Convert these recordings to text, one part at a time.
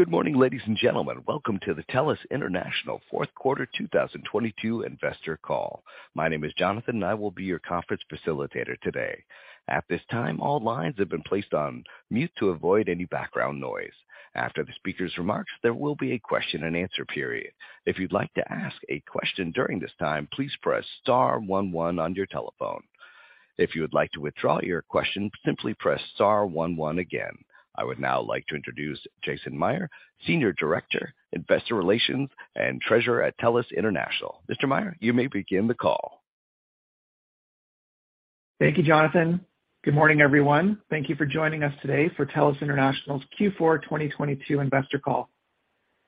Good morning, ladies and gentlemen. Welcome to the TELUS International fourth quarter 2022 investor call. My name is Jonathan. I will be your conference facilitator today. At this time, all lines have been placed on mute to avoid any background noise. After the speaker's remarks, there will be a question-and-answer period. If you'd like to ask a question during this time, please press star one one on your telephone. If you would like to withdraw your question, simply press star one one again. I would now like to introduce Jason Mayr, Senior Director, Investor Relations and Treasurer at TELUS International. Mr. Mayr, you may begin the call. Thank you, Jonathan. Good morning, everyone. Thank you for joining us today for TELUS International's Q4 2022 investor call.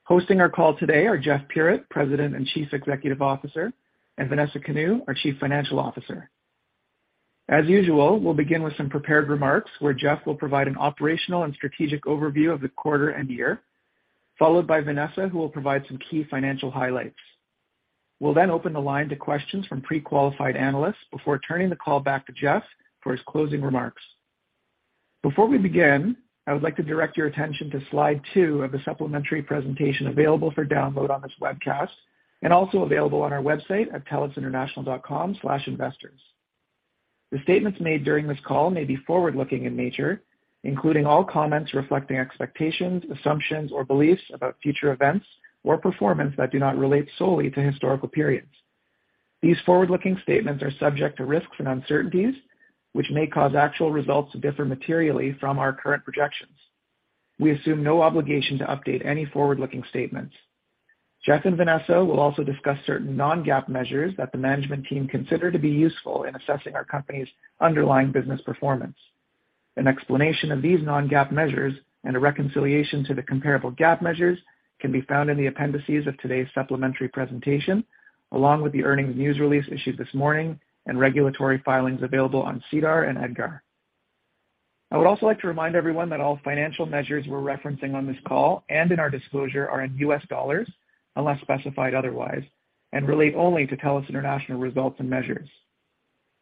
Hosting our call today are Jeff Puritt, President and Chief Executive Officer, and Vanessa Kanu, our Chief Financial Officer. As usual, we'll begin with some prepared remarks where Jeff will provide an operational and strategic overview of the quarter and year, followed by Vanessa, who will provide some key financial highlights. We'll open the line to questions from pre-qualified analysts before turning the call back to Jeff for his closing remarks. Before we begin, I would like to direct your attention to slide 2 of the supplementary presentation available for download on this webcast and also available on our website at telusinternational.com/investors. The statements made during this call may be forward-looking in nature, including all comments reflecting expectations, assumptions or beliefs about future events or performance that do not relate solely to historical periods. These forward-looking statements are subject to risks and uncertainties which may cause actual results to differ materially from our current projections. We assume no obligation to update any forward-looking statements. Jeff and Vanessa will also discuss certain non-GAAP measures that the management team consider to be useful in assessing our company's underlying business performance. An explanation of these non-GAAP measures and a reconciliation to the comparable GAAP measures can be found in the appendices of today's supplementary presentation, along with the earnings news release issued this morning and regulatory filings available on SEDAR and EDGAR. I would also like to remind everyone that all financial measures we're referencing on this call and in our disclosure are in US dollars unless specified otherwise and relate only to TELUS International results and measures.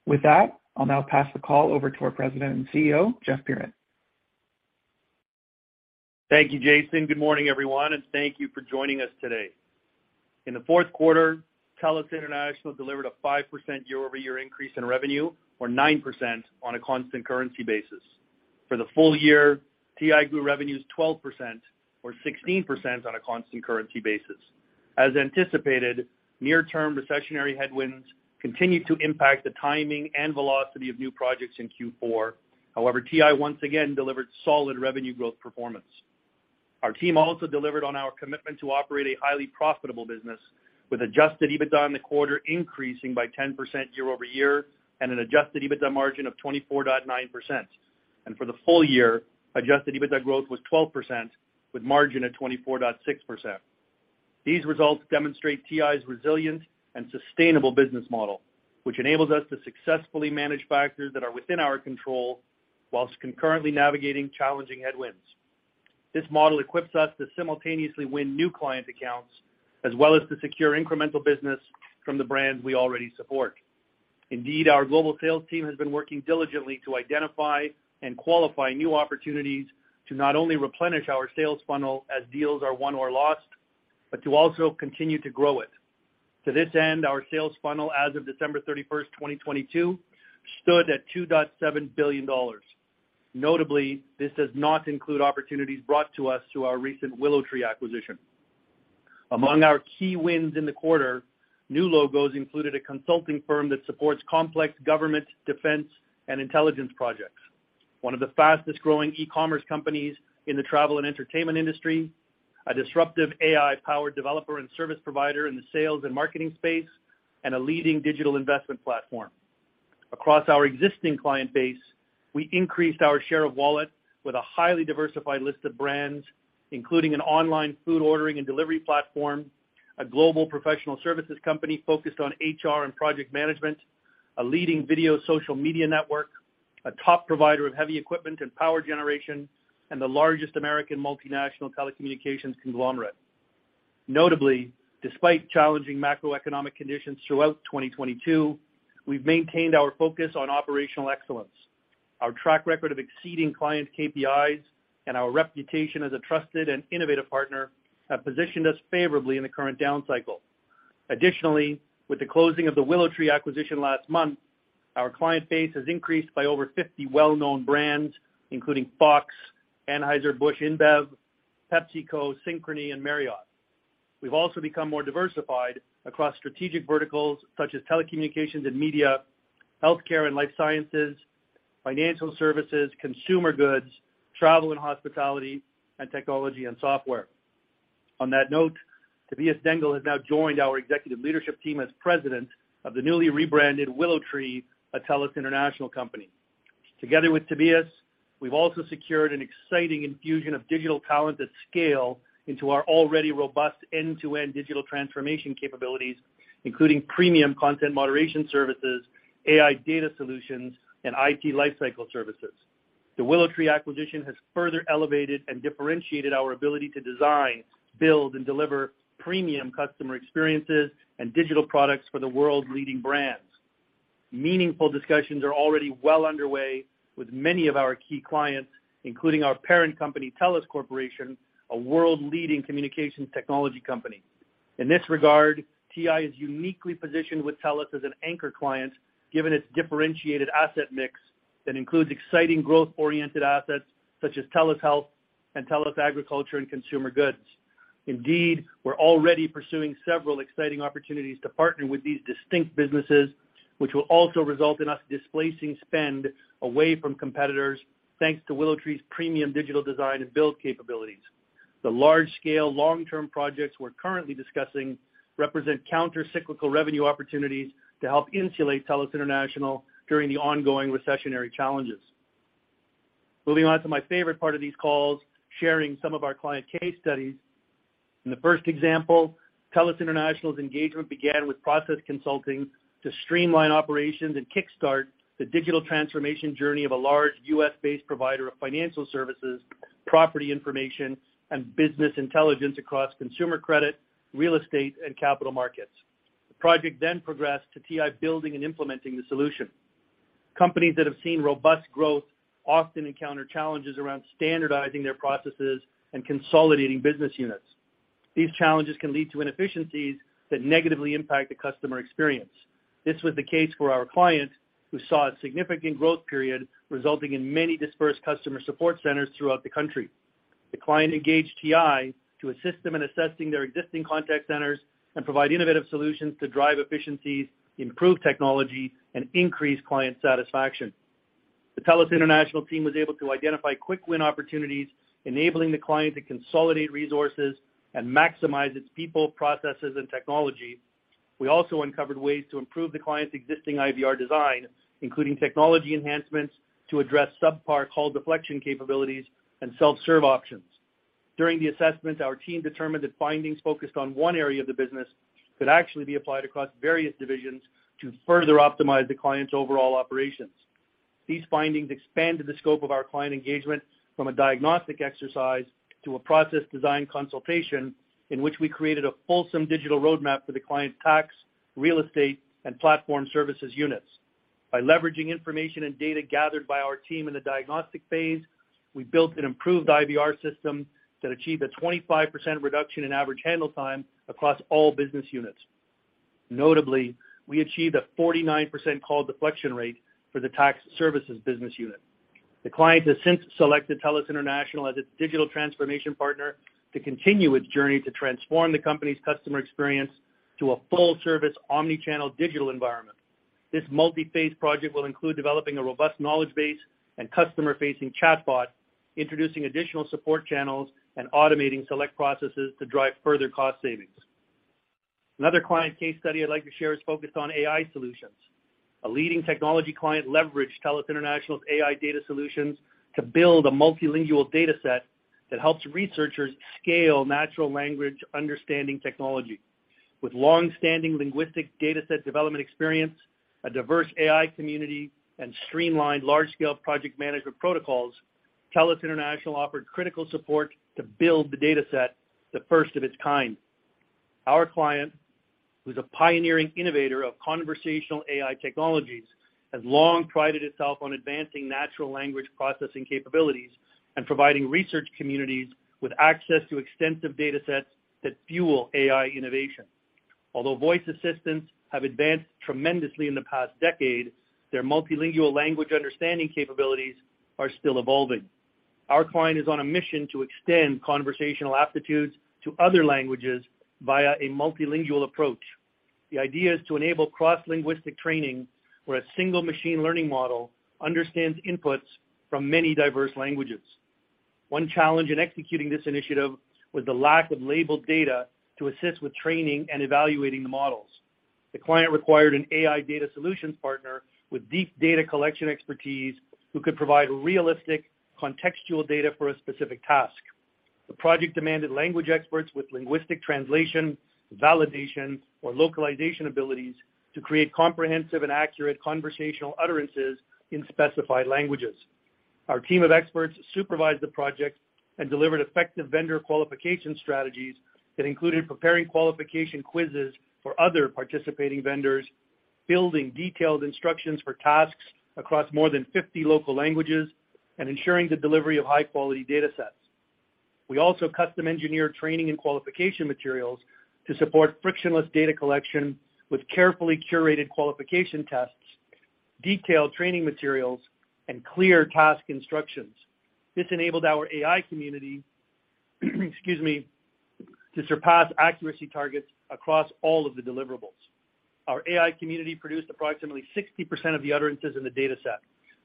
With that, I'll now pass the call over to our President and CEO, Jeff Puritt. Thank you, Jason. Good morning, everyone, thank you for joining us today. In the fourth quarter, TELUS International delivered a 5% year-over-year increase in revenue or 9% on a constant currency basis. For the full year, TI grew revenues 12% or 16% on a constant currency basis. As anticipated, near-term recessionary headwinds continued to impact the timing and velocity of new projects in Q4. However, TI once again delivered solid revenue growth performance. Our team also delivered on our commitment to operate a highly profitable business with adjusted EBITDA in the quarter, increasing by 10% year-over-year and an adjusted EBITDA margin of 24.9%. For the full year, adjusted EBITDA growth was 12% with margin at 24.6%. These results demonstrate TI's resilient and sustainable business model, which enables us to successfully manage factors that are within our control while concurrently navigating challenging headwinds. This model equips us to simultaneously win new client accounts as well as to secure incremental business from the brands we already support. Indeed, our global sales team has been working diligently to identify and qualify new opportunities to not only replenish our sales funnel as deals are won or lost, but to also continue to grow it. To this end, our sales funnel as of December 31, 2022, stood at $2.7 billion. Notably, this does not include opportunities brought to us through our recent WillowTree acquisition. Among our key wins in the quarter, new logos included a consulting firm that supports complex government, defense, and intelligence projects, one of the fastest-growing e-commerce companies in the travel and entertainment industry, a disruptive AI-powered developer and service provider in the sales and marketing space, and a leading digital investment platform. Across our existing client base, we increased our share of wallet with a highly diversified list of brands, including an online food ordering and delivery platform, a global professional services company focused on HR and project management, a leading video social media network, a top provider of heavy equipment and power generation, and the largest American multinational telecommunications conglomerate. Notably, despite challenging macroeconomic conditions throughout 2022, we've maintained our focus on operational excellence. Our track record of exceeding client KPIs and our reputation as a trusted and innovative partner have positioned us favorably in the current down cycle. With the closing of the WillowTree acquisition last month, our client base has increased by over 50 well-known brands, including Fox, Anheuser-Busch InBev, PepsiCo, Synchrony, and Marriott. We've also become more diversified across strategic verticals such as telecommunications and media, healthcare and life sciences, financial services, consumer goods, travel and hospitality, and technology and software. On that note, Tobias Dengel has now joined our executive leadership team as President of the newly rebranded WillowTree, a TELUS International company. Together with Tobias, we've also secured an exciting infusion of digital talent at scale into our already robust end-to-end digital transformation capabilities, including premium content moderation services, AI Data Solutions, and IT lifecycle services. The WillowTree acquisition has further elevated and differentiated our ability to design, build, and deliver premium customer experiences and digital products for the world's leading brands. Meaningful discussions are already well underway with many of our key clients, including our parent company, TELUS Corporation, a world-leading communications technology company. In this regard, TI is uniquely positioned with TELUS as an anchor client, given its differentiated asset mix that includes exciting growth-oriented assets such as TELUS Health and TELUS Agriculture and Consumer Goods. Indeed, we're already pursuing several exciting opportunities to partner with these distinct businesses, which will also result in us displacing spend away from competitors, thanks to WillowTree's premium digital design and build capabilities. The large-scale long-term projects we're currently discussing represent countercyclical revenue opportunities to help insulate TELUS International during the ongoing recessionary challenges. Moving on to my favorite part of these calls, sharing some of our client case studies. In the first example, TELUS International's engagement began with process consulting to streamline operations and kickstart the digital transformation journey of a large U.S.-based provider of financial services, property information, and business intelligence across consumer credit, real estate, and capital markets. The project then progressed to TI building and implementing the solution. Companies that have seen robust growth often encounter challenges around standardizing their processes and consolidating business units. These challenges can lead to inefficiencies that negatively impact the customer experience. This was the case for our client, who saw a significant growth period resulting in many dispersed customer support centers throughout the country. The client engaged TI to assist them in assessing their existing contact centers and provide innovative solutions to drive efficiencies, improve technology, and increase client satisfaction. The TELUS International team was able to identify quick win opportunities, enabling the client to consolidate resources and maximize its people, processes, and technology. We also uncovered ways to improve the client's existing IVR design, including technology enhancements to address subpar call deflection capabilities and self-serve options. During the assessment, our team determined that findings focused on one area of the business could actually be applied across various divisions to further optimize the client's overall operations. These findings expanded the scope of our client engagement from a diagnostic exercise to a process design consultation in which we created a fulsome digital roadmap for the client tax, real estate, and platform services units. By leveraging information and data gathered by our team in the diagnostic phase, we built an improved IVR system that achieved a 25% reduction in average handle time across all business units. Notably, we achieved a 49% call deflection rate for the tax services business unit. The client has since selected TELUS International as its digital transformation partner to continue its journey to transform the company's customer experience to a full-service omnichannel digital environment. This multi-phase project will include developing a robust knowledge base and customer-facing chatbot, introducing additional support channels, and automating select processes to drive further cost savings. Another client case study I'd like to share is focused on AI solutions. A leading technology client leveraged TELUS International's AI Data Solutions to build a multilingual data set that helps researchers scale natural language understanding technology. With long-standing linguistic data set development experience, a diverse AI community, and streamlined large-scale project management protocols, TELUS International offered critical support to build the data set, the first of its kind. Our client, who's a pioneering innovator of conversational AI technologies, has long prided itself on advancing natural language processing capabilities and providing research communities with access to extensive data sets that fuel AI innovation. Although voice assistants have advanced tremendously in the past decade, their multilingual language understanding capabilities are still evolving. Our client is on a mission to extend conversational aptitudes to other languages via a multilingual approach. The idea is to enable cross-linguistic training where a single machine learning model understands inputs from many diverse languages. One challenge in executing this initiative was the lack of labeled data to assist with training and evaluating the models. The client required an AI data solutions partner with deep data collection expertise who could provide realistic contextual data for a specific task. The project demanded language experts with linguistic translation, validation, or localization abilities to create comprehensive and accurate conversational utterances in specified languages. Our team of experts supervised the project and delivered effective vendor qualification strategies that included preparing qualification quizzes for other participating vendors, building detailed instructions for tasks across more than 50 local languages, and ensuring the delivery of high-quality data sets. We also custom-engineered training and qualification materials to support frictionless data collection with carefully curated qualification tests, detailed training materials, and clear task instructions. This enabled our AI community, excuse me, to surpass accuracy targets across all of the deliverables. Our AI community produced approximately 60% of the utterances in the data set.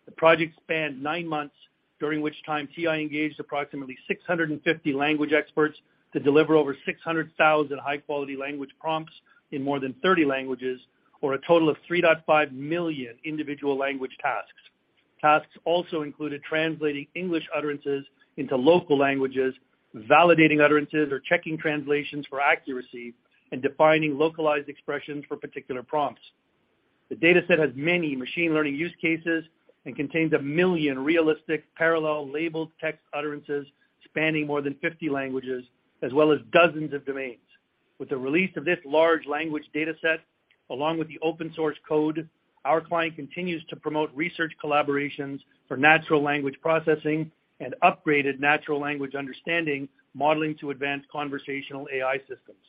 The project spanned nine months, during which time TI engaged approximately 650 language experts to deliver over 600,000 high-quality language prompts in more than 30 languages, or a total of 3.5 million individual language tasks. Tasks also included translating English utterances into local languages, validating utterances or checking translations for accuracy, and defining localized expressions for particular prompts. The data set has many machine learning use cases and contains 1 million realistic parallel labeled text utterances spanning more than 50 languages, as well as dozens of domains. With the release of this large language data set, along with the open source code, our client continues to promote research collaborations for natural language processing and upgraded natural language understanding, modeling to advanced conversational AI systems.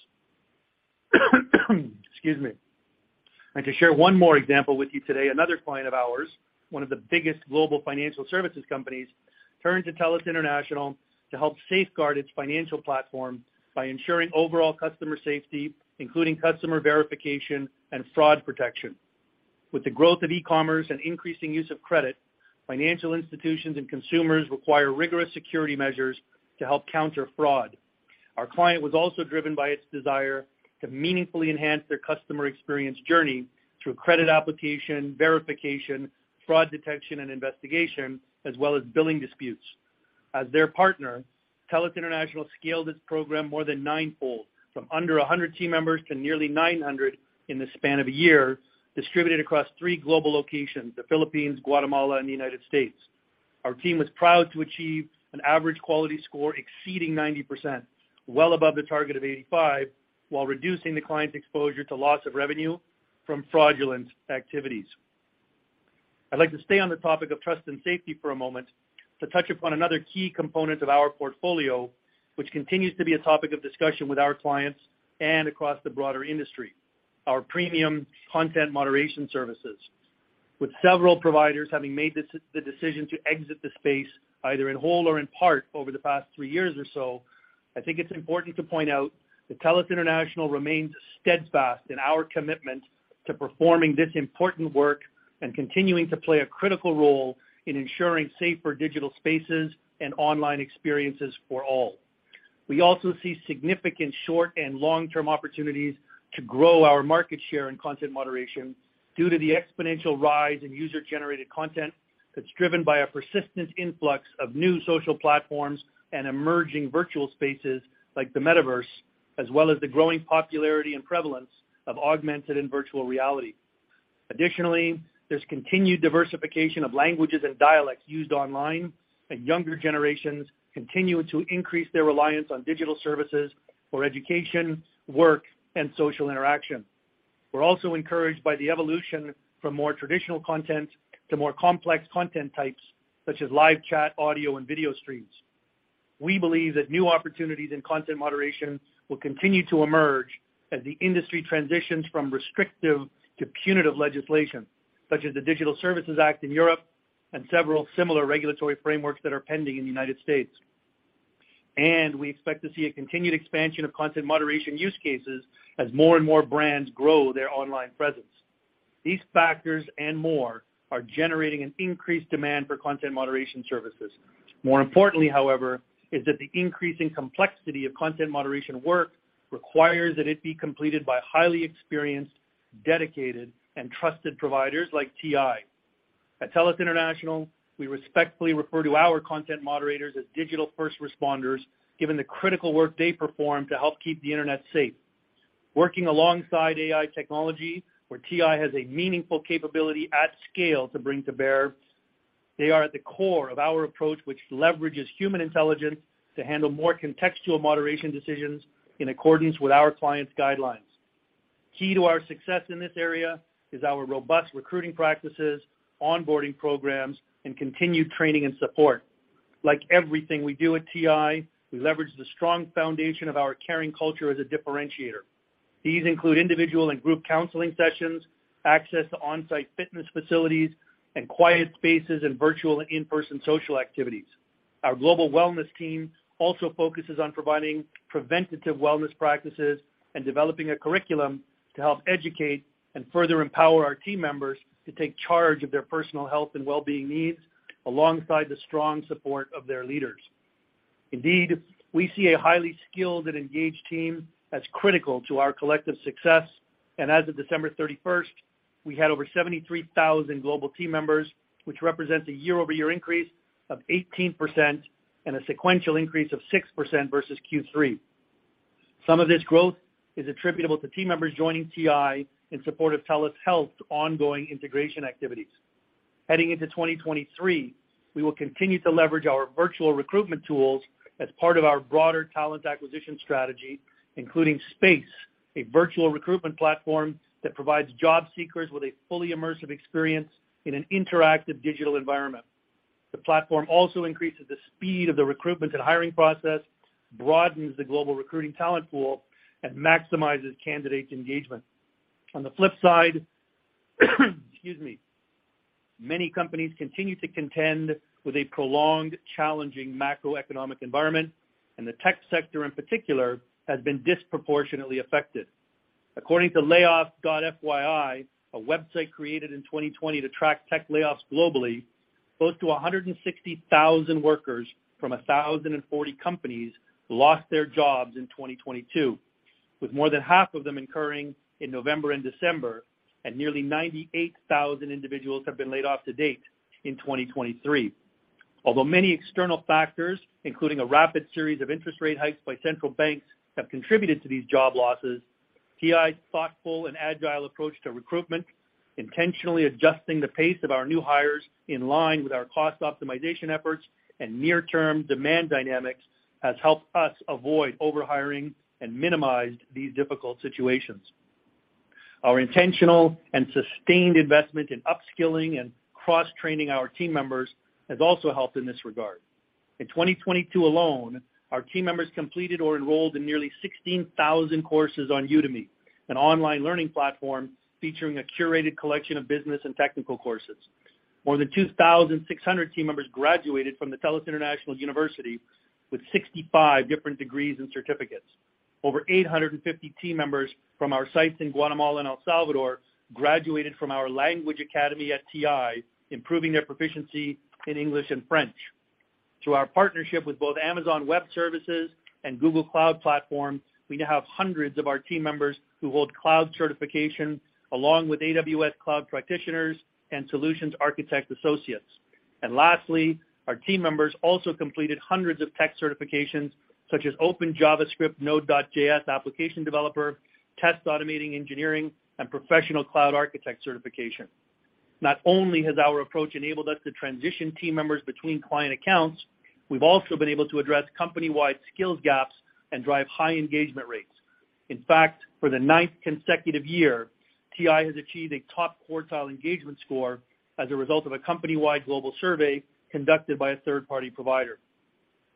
Excuse me. I'd like to share one more example with you today. Another client of ours, one of the biggest global financial services companies, turned to TELUS International to help safeguard its financial platform by ensuring overall customer safety, including customer verification and fraud protection. With the growth of e-commerce and increasing use of credit, financial institutions and consumers require rigorous security measures to help counter fraud. Our client was also driven by its desire to meaningfully enhance their customer experience journey through credit application, verification, fraud detection, and investigation, as well as billing disputes. As their partner, TELUS International scaled its program more than ninefold from under 100 team members to nearly 900 in the span of a year, distributed across three global locations: the Philippines, Guatemala, and the United States. Our team was proud to achieve an average quality score exceeding 90%, well above the target of 85%, while reducing the client's exposure to loss of revenue from fraudulent activities. I'd like to stay on the topic of trust and safety for a moment to touch upon another key component of our portfolio, which continues to be a topic of discussion with our clients and across the broader industry, our premium content moderation services. With several providers having made the decision to exit the space, either in whole or in part, over the past 3 years or so, I think it's important to point out that TELUS International remains steadfast in our commitment to performing this important work and continuing to play a critical role in ensuring safer digital spaces and online experiences for all. We also see significant short and long-term opportunities to grow our market share in content moderation due to the exponential rise in user-generated content that's driven by a persistent influx of new social platforms and emerging virtual spaces like the Metaverse, as well as the growing popularity and prevalence of augmented and virtual reality. Additionally, there's continued diversification of languages and dialects used online, and younger generations continue to increase their reliance on digital services for education, work, and social interaction. We're also encouraged by the evolution from more traditional content to more complex content types such as live chat, audio and video streams. We believe that new opportunities in content moderation will continue to emerge as the industry transitions from restrictive to punitive legislation such as the Digital Services Act in Europe and several similar regulatory frameworks that are pending in the United States. We expect to see a continued expansion of content moderation use cases as more and more brands grow their online presence. These factors and more are generating an increased demand for content moderation services. More importantly, however, is that the increasing complexity of content moderation work requires that it be completed by highly experienced, dedicated, and trusted providers like TI. At TELUS International, we respectfully refer to our content moderators as digital first responders, given the critical work they perform to help keep the Internet safe. Working alongside AI technology, where TI has a meaningful capability at scale to bring to bear, they are at the core of our approach, which leverages human intelligence to handle more contextual moderation decisions in accordance with our clients' guidelines. Key to our success in this area is our robust recruiting practices, onboarding programs, and continued training and support. Like everything we do at TI, we leverage the strong foundation of our caring culture as a differentiator. These include individual and group counseling sessions, access to on-site fitness facilities and quiet spaces, and virtual and in-person social activities. Our global wellness team also focuses on providing preventative wellness practices and developing a curriculum to help educate and further empower our team members to take charge of their personal health and well-being needs alongside the strong support of their leaders. Indeed, we see a highly skilled and engaged team as critical to our collective success. As of December 31st, we had over 73,000 global team members, which represents a year-over-year increase of 18% and a sequential increase of 6% versus Q3. Some of this growth is attributable to team members joining TI in support of TELUS Health ongoing integration activities. Heading into 2023, we will continue to leverage our virtual recruitment tools as part of our broader talent acquisition strategy, including SPACE, a virtual recruitment platform that provides job seekers with a fully immersive experience in an interactive digital environment. The platform also increases the speed of the recruitment and hiring process, broadens the global recruiting talent pool, and maximizes candidates' engagement. On the flip side, excuse me, many companies continue to contend with a prolonged, challenging macroeconomic environment, and the tech sector in particular has been disproportionately affected. According to Layoffs.fyi, a website created in 2020 to track tech layoffs globally, close to 160,000 workers from 1,040 companies lost their jobs in 2022, with more than half of them incurring in November and December, and nearly 98,000 individuals have been laid off to date in 2023. Although many external factors, including a rapid series of interest rate hikes by central banks, have contributed to these job losses, TI's thoughtful and agile approach to recruitment, intentionally adjusting the pace of our new hires in line with our cost optimization efforts and near-term demand dynamics has helped us avoid over-hiring and minimized these difficult situations. Our intentional and sustained investment in upskilling and cross-training our team members has also helped in this regard. In 2022 alone, our team members completed or enrolled in nearly 16,000 courses on Udemy, an online learning platform featuring a curated collection of business and technical courses. More than 2,600 team members graduated from the TELUS International University with 65 different degrees and certificates. Over 850 team members from our sites in Guatemala and El Salvador graduated from our language academy at TI, improving their proficiency in English and French. Through our partnership with both Amazon Web Services and Google Cloud Platform, we now have hundreds of our team members who hold cloud certifications along with AWS Cloud Practitioners and Solutions Architect – Associate. Lastly, our team members also completed hundreds of tech certifications such as OpenJS, Node.js application developer, test automation engineering, and Professional Cloud Architect certification. Not only has our approach enabled us to transition team members between client accounts, we've also been able to address company-wide skills gaps and drive high engagement rates. In fact, for the ninth consecutive year, TI has achieved a top quartile engagement score as a result of a company-wide global survey conducted by a third-party provider.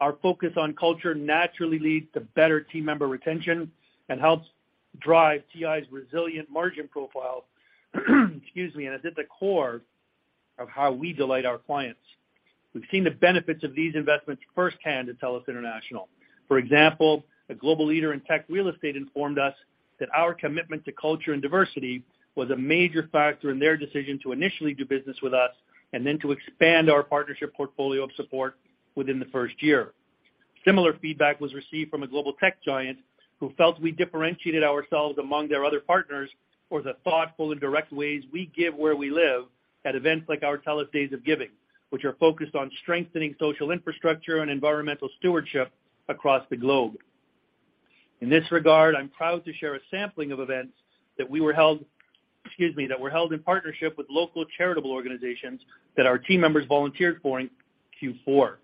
Our focus on culture naturally leads to better team member retention and helps drive TI's resilient margin profile, excuse me, and is at the core of how we delight our clients. We've seen the benefits of these investments firsthand at TELUS International. For example, a global leader in tech real estate informed us that our commitment to culture and diversity was a major factor in their decision to initially do business with us and then to expand our partnership portfolio of support within the first year. Similar feedback was received from a global tech giant who felt we differentiated ourselves among their other partners for the thoughtful and direct ways we give where we live at events like our TELUS Days of Giving, which are focused on strengthening social infrastructure and environmental stewardship across the globe. In this regard, I'm proud to share a sampling of events that were held in partnership with local charitable organizations that our team members volunteered for in Q4.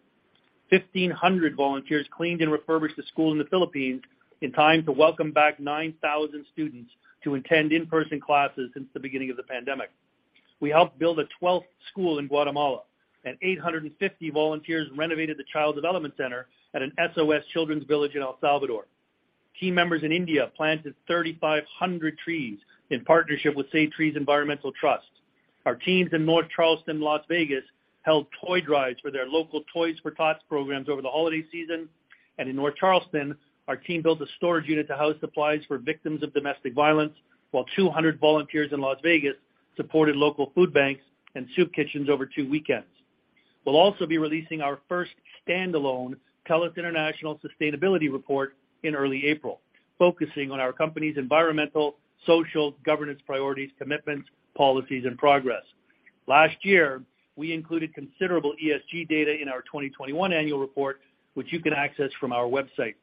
1,500 volunteers cleaned and refurbished a school in the Philippines in time to welcome back 9,000 students to attend in-person classes since the beginning of the pandemic. We helped build a twelfth school in Guatemala. 850 volunteers renovated the Child Development Center at an SOS Children's Village in El Salvador. Team members in India planted 3,500 trees in partnership with SayTrees Environmental Trust. Our teams in North Charleston, Las Vegas, held toy drives for their local Toys for Tots programs over the holiday season. In North Charleston, our team built a storage unit to house supplies for victims of domestic violence, while 200 volunteers in Las Vegas supported local food banks and soup kitchens over two weekends. We'll also be releasing our first standalone TELUS International Sustainability Report in early April, focusing on our company's environmental, social, governance priorities, commitments, policies, and progress. Last year, we included considerable ESG data in our 2021 annual report, which you can access from our website.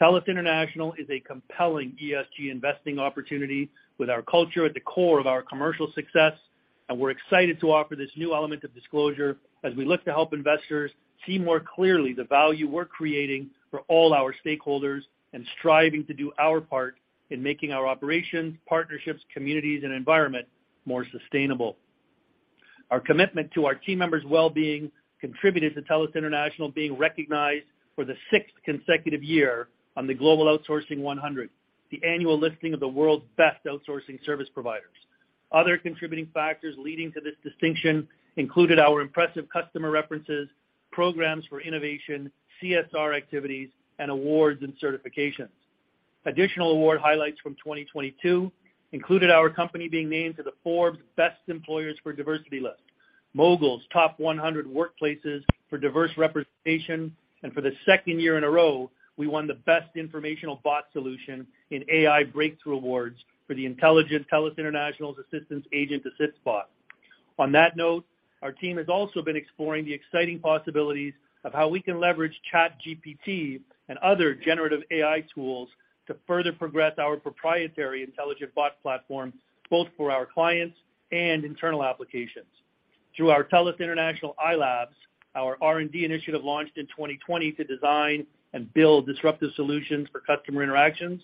TELUS International is a compelling ESG investing opportunity with our culture at the core of our commercial success, and we're excited to offer this new element of disclosure as we look to help investors see more clearly the value we're creating for all our stakeholders and striving to do our part in making our operations, partnerships, communities, and environment more sustainable. Our commitment to our team members' well-being contributed to TELUS International being recognized for the sixth consecutive year on the Global Outsourcing 100, the annual listing of the world's best outsourcing service providers. Other contributing factors leading to this distinction included our impressive customer references, programs for innovation, CSR activities, and awards and certifications. Additional award highlights from 2022 included our company being named to the Forbes Best Employers for Diversity list, Mogul's Top 100 Workplaces for Diverse Representation, and for the second year in a row, we won the Best Informational Bot Solution in AI Breakthrough Awards for the intelligent TELUS International's assistance Agent Assist Bot. On that note, our team has also been exploring the exciting possibilities of how we can leverage ChatGPT and other generative AI tools to further progress our proprietary intelligent bot platform, both for our clients and internal applications. Through our TELUS International iLabs, our R&D initiative launched in 2020 to design and build disruptive solutions for customer interactions.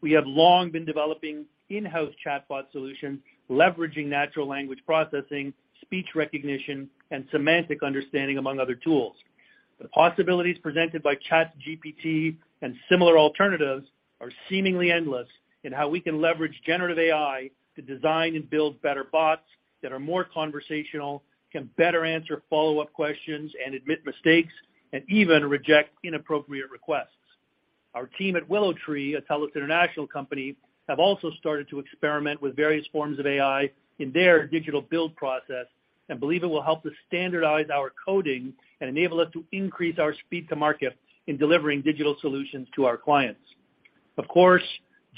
We have long been developing in-house chatbot solutions, leveraging natural language processing, speech recognition, and semantic understanding, among other tools. The possibilities presented by ChatGPT and similar alternatives are seemingly endless in how we can leverage generative AI to design and build better bots that are more conversational, can better answer follow-up questions and admit mistakes, and even reject inappropriate requests. Our team at WillowTree, a TELUS International company, have also started to experiment with various forms of AI in their digital build process and believe it will help to standardize our coding and enable us to increase our speed to market in delivering digital solutions to our clients. Of course,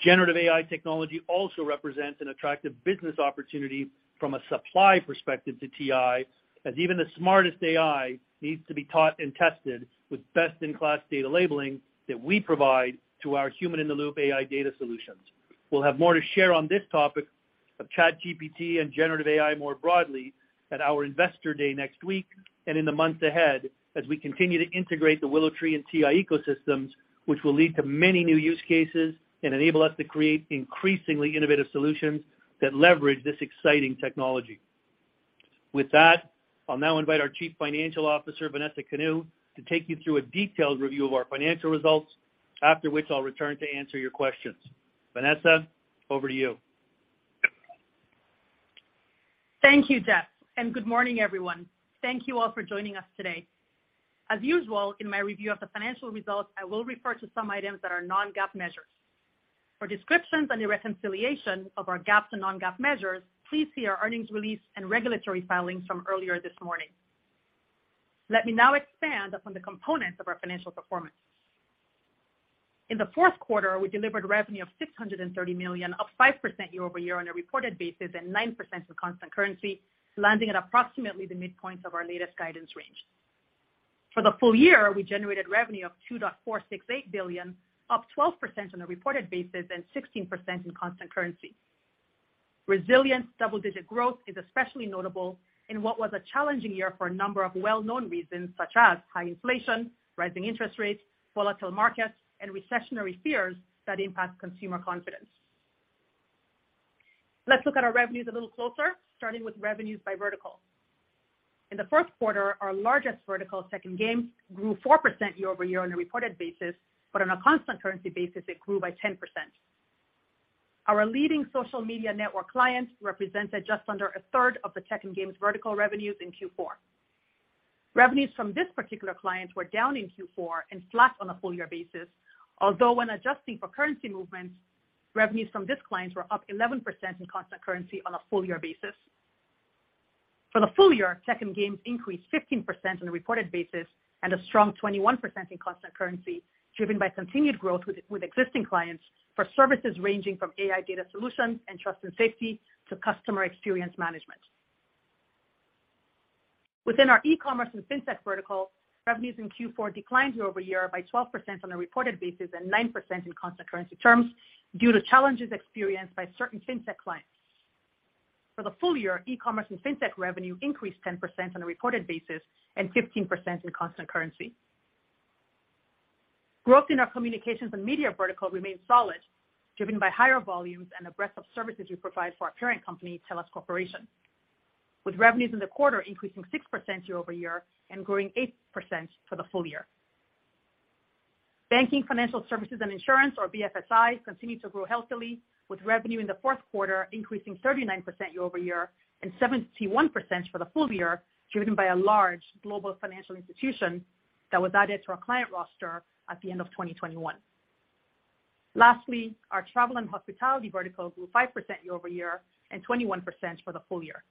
generative AI technology also represents an attractive business opportunity from a supply perspective to TI, as even the smartest AI needs to be taught and tested with best-in-class data labeling that we provide to our human-in-the-loop AI Data Solutions. We'll have more to share on this topic of ChatGPT and generative AI more broadly at our investor day next week and in the months ahead, as we continue to integrate the WillowTree and TI ecosystems, which will lead to many new use cases and enable us to create increasingly innovative solutions that leverage this exciting technology. With that, I'll now invite our Chief Financial Officer, Vanessa Kanu, to take you through a detailed review of our financial results, after which I'll return to answer your questions. Vanessa, over to you. Thank you, Jeff. Good morning, everyone. Thank you all for joining us today. As usual, in my review of the financial results, I will refer to some items that are non-GAAP measures. For descriptions and the reconciliation of our GAAP and non-GAAP measures, please see our earnings release and regulatory filings from earlier this morning. Let me now expand upon the components of our financial performance. In the fourth quarter, we delivered revenue of $630 million, up 5% year-over-year on a reported basis and 9% in constant currency, landing at approximately the midpoint of our latest guidance range. For the full year, we generated revenue of $2.468 billion, up 12% on a reported basis and 16% in constant currency. Resilient double-digit growth is especially notable in what was a challenging year for a number of well-known reasons, such as high inflation, rising interest rates, volatile markets, and recessionary fears that impact consumer confidence. Let's look at our revenues a little closer, starting with revenues by vertical. In the first quarter, our largest vertical, tech and games, grew 4% year-over-year on a reported basis, on a constant currency basis it grew by 10%. Our leading social media network client represented just under a third of the tech and games vertical revenues in Q4. Revenues from this particular client were down in Q4 and flat on a full year basis. When adjusting for currency movements, revenues from this client were up 11% in constant currency on a full year basis. For the full year, tech and games increased 15% on a reported basis and a strong 21% in constant currency, driven by continued growth with existing clients for services ranging from AI Data Solutions and trust and safety to customer experience management. Within our e-commerce and fintech vertical, revenues in Q4 declined year-over-year by 12% on a reported basis and 9% in constant currency terms due to challenges experienced by certain fintech clients. For the full year, e-commerce and fintech revenue increased 10% on a reported basis and 15% in constant currency. Growth in our communications and media vertical remained solid, driven by higher volumes and the breadth of services we provide for our parent company, TELUS Corporation, with revenues in the quarter increasing 6% year-over-year and growing 8% for the full year. Banking, financial services and insurance, or BFSI, continued to grow healthily, with revenue in the fourth quarter increasing 39% year-over-year and 71% for the full year, driven by a large global financial institution that was added to our client roster at the end of 2021. Lastly, our travel and hospitality vertical grew 5% year-over-year and 21% for the full year.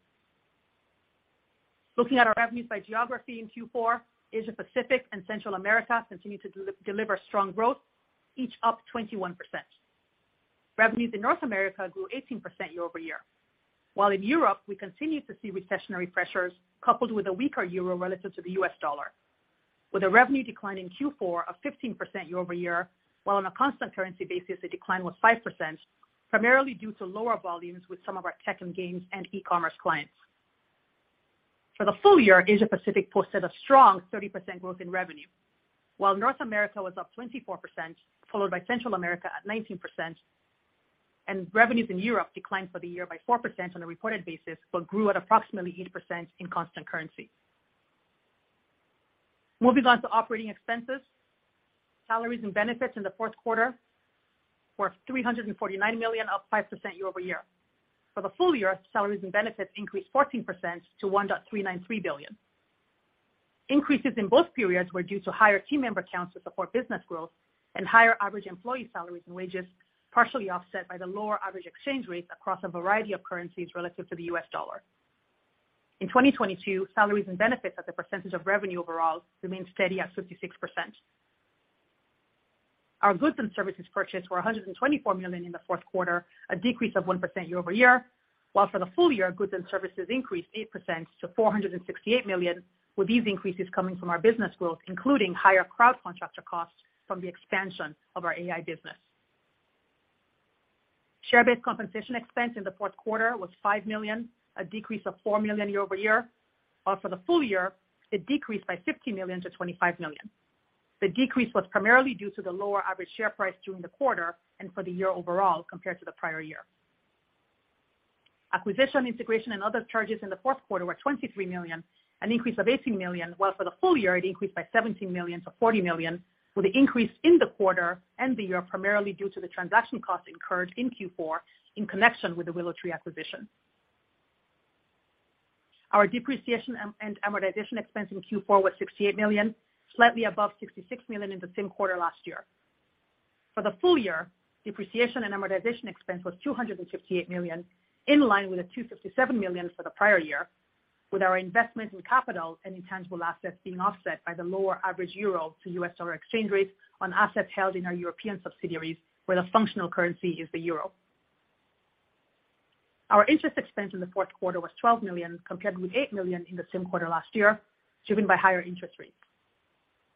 Looking at our revenues by geography in Q4, Asia Pacific and Central America continued to de-deliver strong growth, each up 21%. Revenues in North America grew 18% year-over-year. While in Europe, we continued to see recessionary pressures coupled with a weaker euro relative to the US dollar, with a revenue decline in Q4 of 15% year-over-year, while on a constant currency basis, the decline was 5%, primarily due to lower volumes with some of our tech and games and e-commerce clients. For the full year, Asia Pacific posted a strong 30% growth in revenue, while North America was up 24%, followed by Central America at 19%, revenues in Europe declined for the year by 4% on a reported basis, but grew at approximately 8% in constant currency. Moving on to operating expenses. Salaries and benefits in the fourth quarter were $349 million, up 5% year-over-year. For the full year, salaries and benefits increased 14% to $1.393 billion. Increases in both periods were due to higher team member counts to support business growth and higher average employee salaries and wages, partially offset by the lower average exchange rates across a variety of currencies relative to the US dollar. In 2022, salaries and benefits as a percentage of revenue overall remained steady at 56%. Our goods and services purchased were $124 million in the fourth quarter, a decrease of 1% year-over-year. For the full year, goods and services increased 8% to $468 million, with these increases coming from our business growth, including higher crowd contractor costs from the expansion of our AI business. Share-based compensation expense in the fourth quarter was $5 million, a decrease of $4 million year-over-year. For the full year, it decreased by $50 million to $25 million. The decrease was primarily due to the lower average share price during the quarter and for the year overall compared to the prior year. Acquisition, integration, and other charges in the fourth quarter were $23 million, an increase of $18 million, while for the full year it increased by $17 million to $40 million, with the increase in the quarter and the year primarily due to the transaction costs incurred in Q4 in connection with the WillowTree acquisition. Our depreciation and amortization expense in Q4 was $68 million, slightly above $66 million in the same quarter last year. For the full year, depreciation and amortization expense was $258 million, in line with the $257 million for the prior year, with our investment in capital and intangible assets being offset by the lower average euro to U.S. dollar exchange rate on assets held in our European subsidiaries, where the functional currency is the euro. Our interest expense in the fourth quarter was $12 million, compared with $8 million in the same quarter last year, driven by higher interest rates.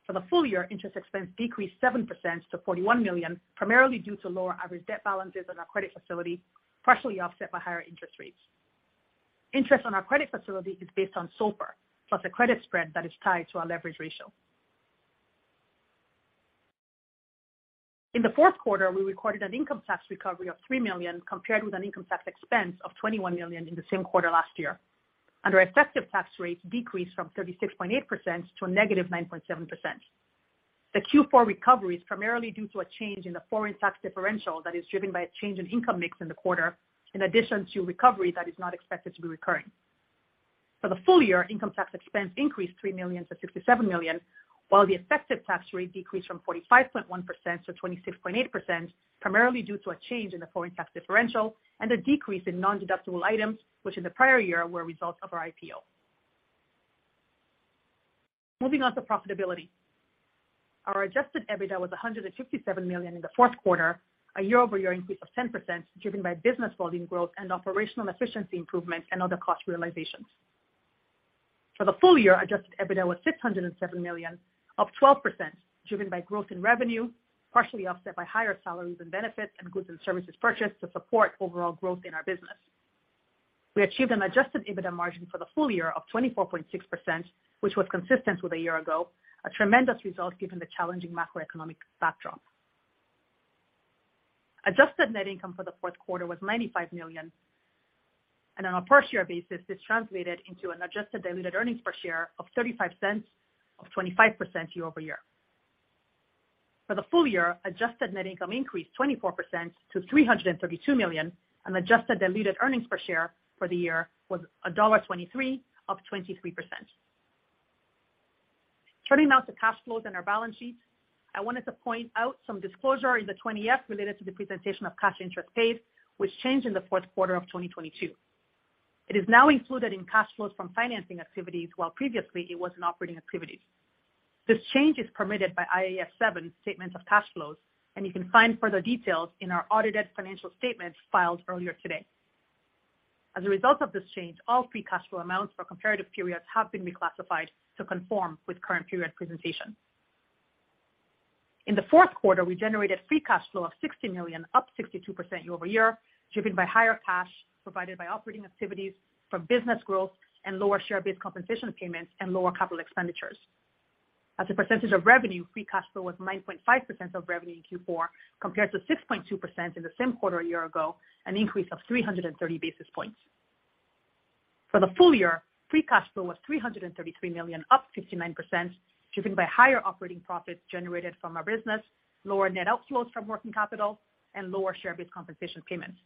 For the full year, interest expense decreased 7% to $41 million, primarily due to lower average debt balances on our credit facility, partially offset by higher interest rates. Interest on our credit facility is based on SOFR, plus a credit spread that is tied to our leverage ratio. In the fourth quarter, we recorded an income tax recovery of $3 million compared with an income tax expense of $21 million in the same quarter last year. Our effective tax rate decreased from 36.8% to a negative 9.7%. The Q4 recovery is primarily due to a change in the foreign tax differential that is driven by a change in income mix in the quarter in addition to recovery that is not expected to be recurring. For the full year, income tax expense increased $3 million to $67 million, while the effective tax rate decreased from 45.1% to 26.8%, primarily due to a change in the foreign tax differential and a decrease in nondeductible items, which in the prior year were a result of our IPO. Moving on to profitability. Our adjusted EBITDA was $157 million in the fourth quarter, a year-over-year increase of 10% driven by business volume growth and operational efficiency improvements and other cost realizations. For the full year, adjusted EBITDA was $607 million, up 12% driven by growth in revenue, partially offset by higher salaries and benefits and goods and services purchased to support overall growth in our business. We achieved an adjusted EBITDA margin for the full year of 24.6%, which was consistent with a year ago, a tremendous result given the challenging macroeconomic backdrop. Adjusted net income for the fourth quarter was $95 million. On a per share basis, this translated into an adjusted diluted earnings per share of $0.35, up 25% year-over-year. For the full year, adjusted net income increased 24% to $332 million, and adjusted diluted earnings per share for the year was $1.23, up 23%. Turning now to cash flows and our balance sheet. I wanted to point out some disclosure in the 20-F related to the presentation of cash interest paid, which changed in the fourth quarter of 2022. It is now included in cash flows from financing activities, while previously it was in operating activities. This change is permitted by IAS 7 Statement of Cash Flows, you can find further details in our audited financial statements filed earlier today. As a result of this change, all free cash flow amounts for comparative periods have been reclassified to conform with current period presentation. In the fourth quarter, we generated free cash flow of $60 million, up 62% year-over-year, driven by higher cash provided by operating activities from business growth and lower share-based compensation payments and lower capital expenditures. As a percentage of revenue, free cash flow was 9.5% of revenue in Q4 compared to 6.2% in the same quarter a year ago, an increase of 330 basis points. For the full year, free cash flow was $333 million, up 59%, driven by higher operating profits generated from our business, lower net outflows from working capital and lower share-based compensation payments.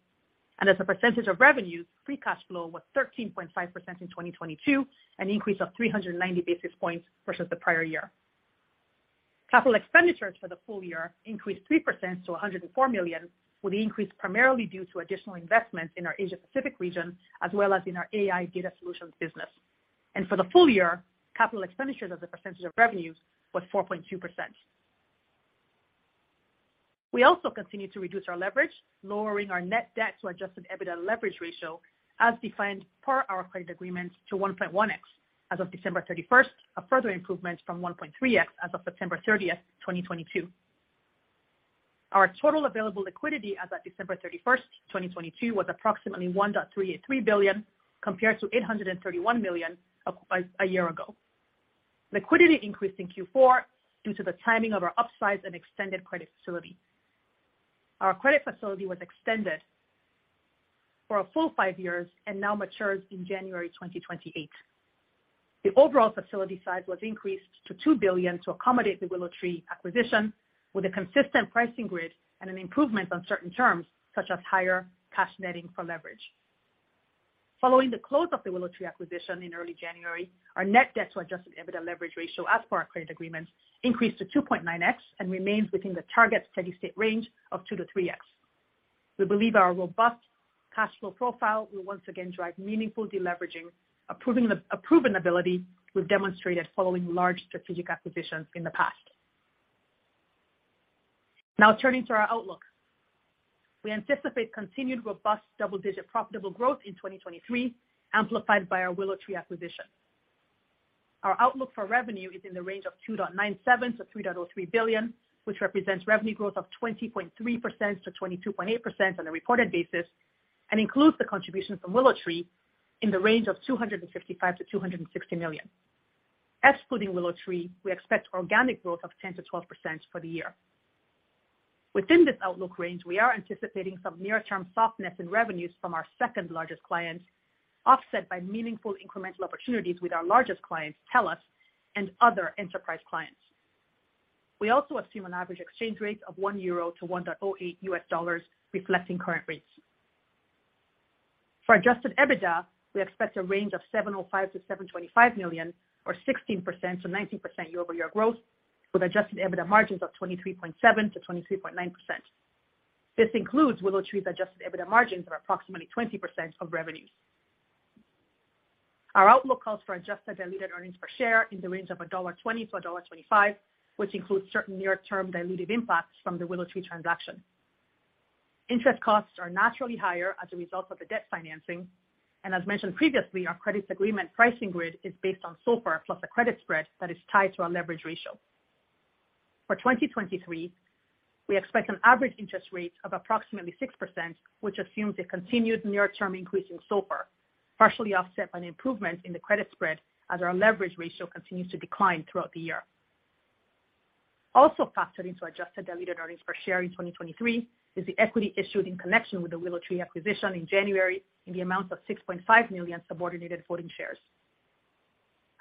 As a percentage of revenue, free cash flow was 13.5% in 2022, an increase of 390 basis points versus the prior year. Capital expenditures for the full year increased 3% to $104 million, with the increase primarily due to additional investments in our Asia Pacific region as well as in our AI Data Solutions business. For the full year, capital expenditures as a percentage of revenue was 4.2%. We also continue to reduce our leverage, lowering our net debt to adjusted EBITDA leverage ratio as defined per our credit agreement to 1.1x as of December 31st, a further improvement from 1.3x as of September 30th, 2022. Our total available liquidity as at December 31st, 2022, was approximately $1.383 billion compared to $831 million a year ago. Liquidity increased in Q4 due to the timing of our upsize and extended credit facility. Our credit facility was extended for a full 5 years and now matures in January 2028. The overall facility size was increased to $2 billion to accommodate the WillowTree acquisition with a consistent pricing grid and an improvement on certain terms such as higher cash netting for leverage. Following the close of the WillowTree acquisition in early January, our net debt to adjusted EBITDA leverage ratio as per our credit agreement increased to 2.9x and remains within the target steady-state range of 2x-3x. We believe our robust cash flow profile will once again drive meaningful deleveraging, a proven ability we've demonstrated following large strategic acquisitions in the past. Turning to our outlook. We anticipate continued robust double-digit profitable growth in 2023, amplified by our WillowTree acquisition. Our outlook for revenue is in the range of $2.97 billion-$3.03 billion, which represents revenue growth of 20.3%-22.8% on a reported basis, and includes the contribution from WillowTree in the range of $255 million-$260 million. Excluding WillowTree, we expect organic growth of 10%-12% for the year. Within this outlook range, we are anticipating some near-term softness in revenues from our second-largest client, offset by meaningful incremental opportunities with our largest client, TELUS, and other enterprise clients. We also assume an average exchange rate of 1 euro to $1.08, reflecting current rates. For adjusted EBITDA, we expect a range of $705 million-$725 million or 16%-19% year-over-year growth, with adjusted EBITDA margins of 23.7%-23.9%. This includes WillowTree's adjusted EBITDA margins of approximately 20% of revenues. Our outlook calls for adjusted diluted earnings per share in the range of $1.20-$1.25, which includes certain near-term dilutive impacts from the WillowTree transaction. Interest costs are naturally higher as a result of the debt financing. As mentioned previously, our credits agreement pricing grid is based on SOFR plus a credit spread that is tied to our leverage ratio. For 2023, we expect an average interest rate of approximately 6%, which assumes a continued near-term increase in SOFR, partially offset by an improvement in the credit spread as our leverage ratio continues to decline throughout the year. Also factored into adjusted diluted earnings per share in 2023 is the equity issued in connection with the WillowTree acquisition in January in the amount of 6.5 million subordinated voting shares.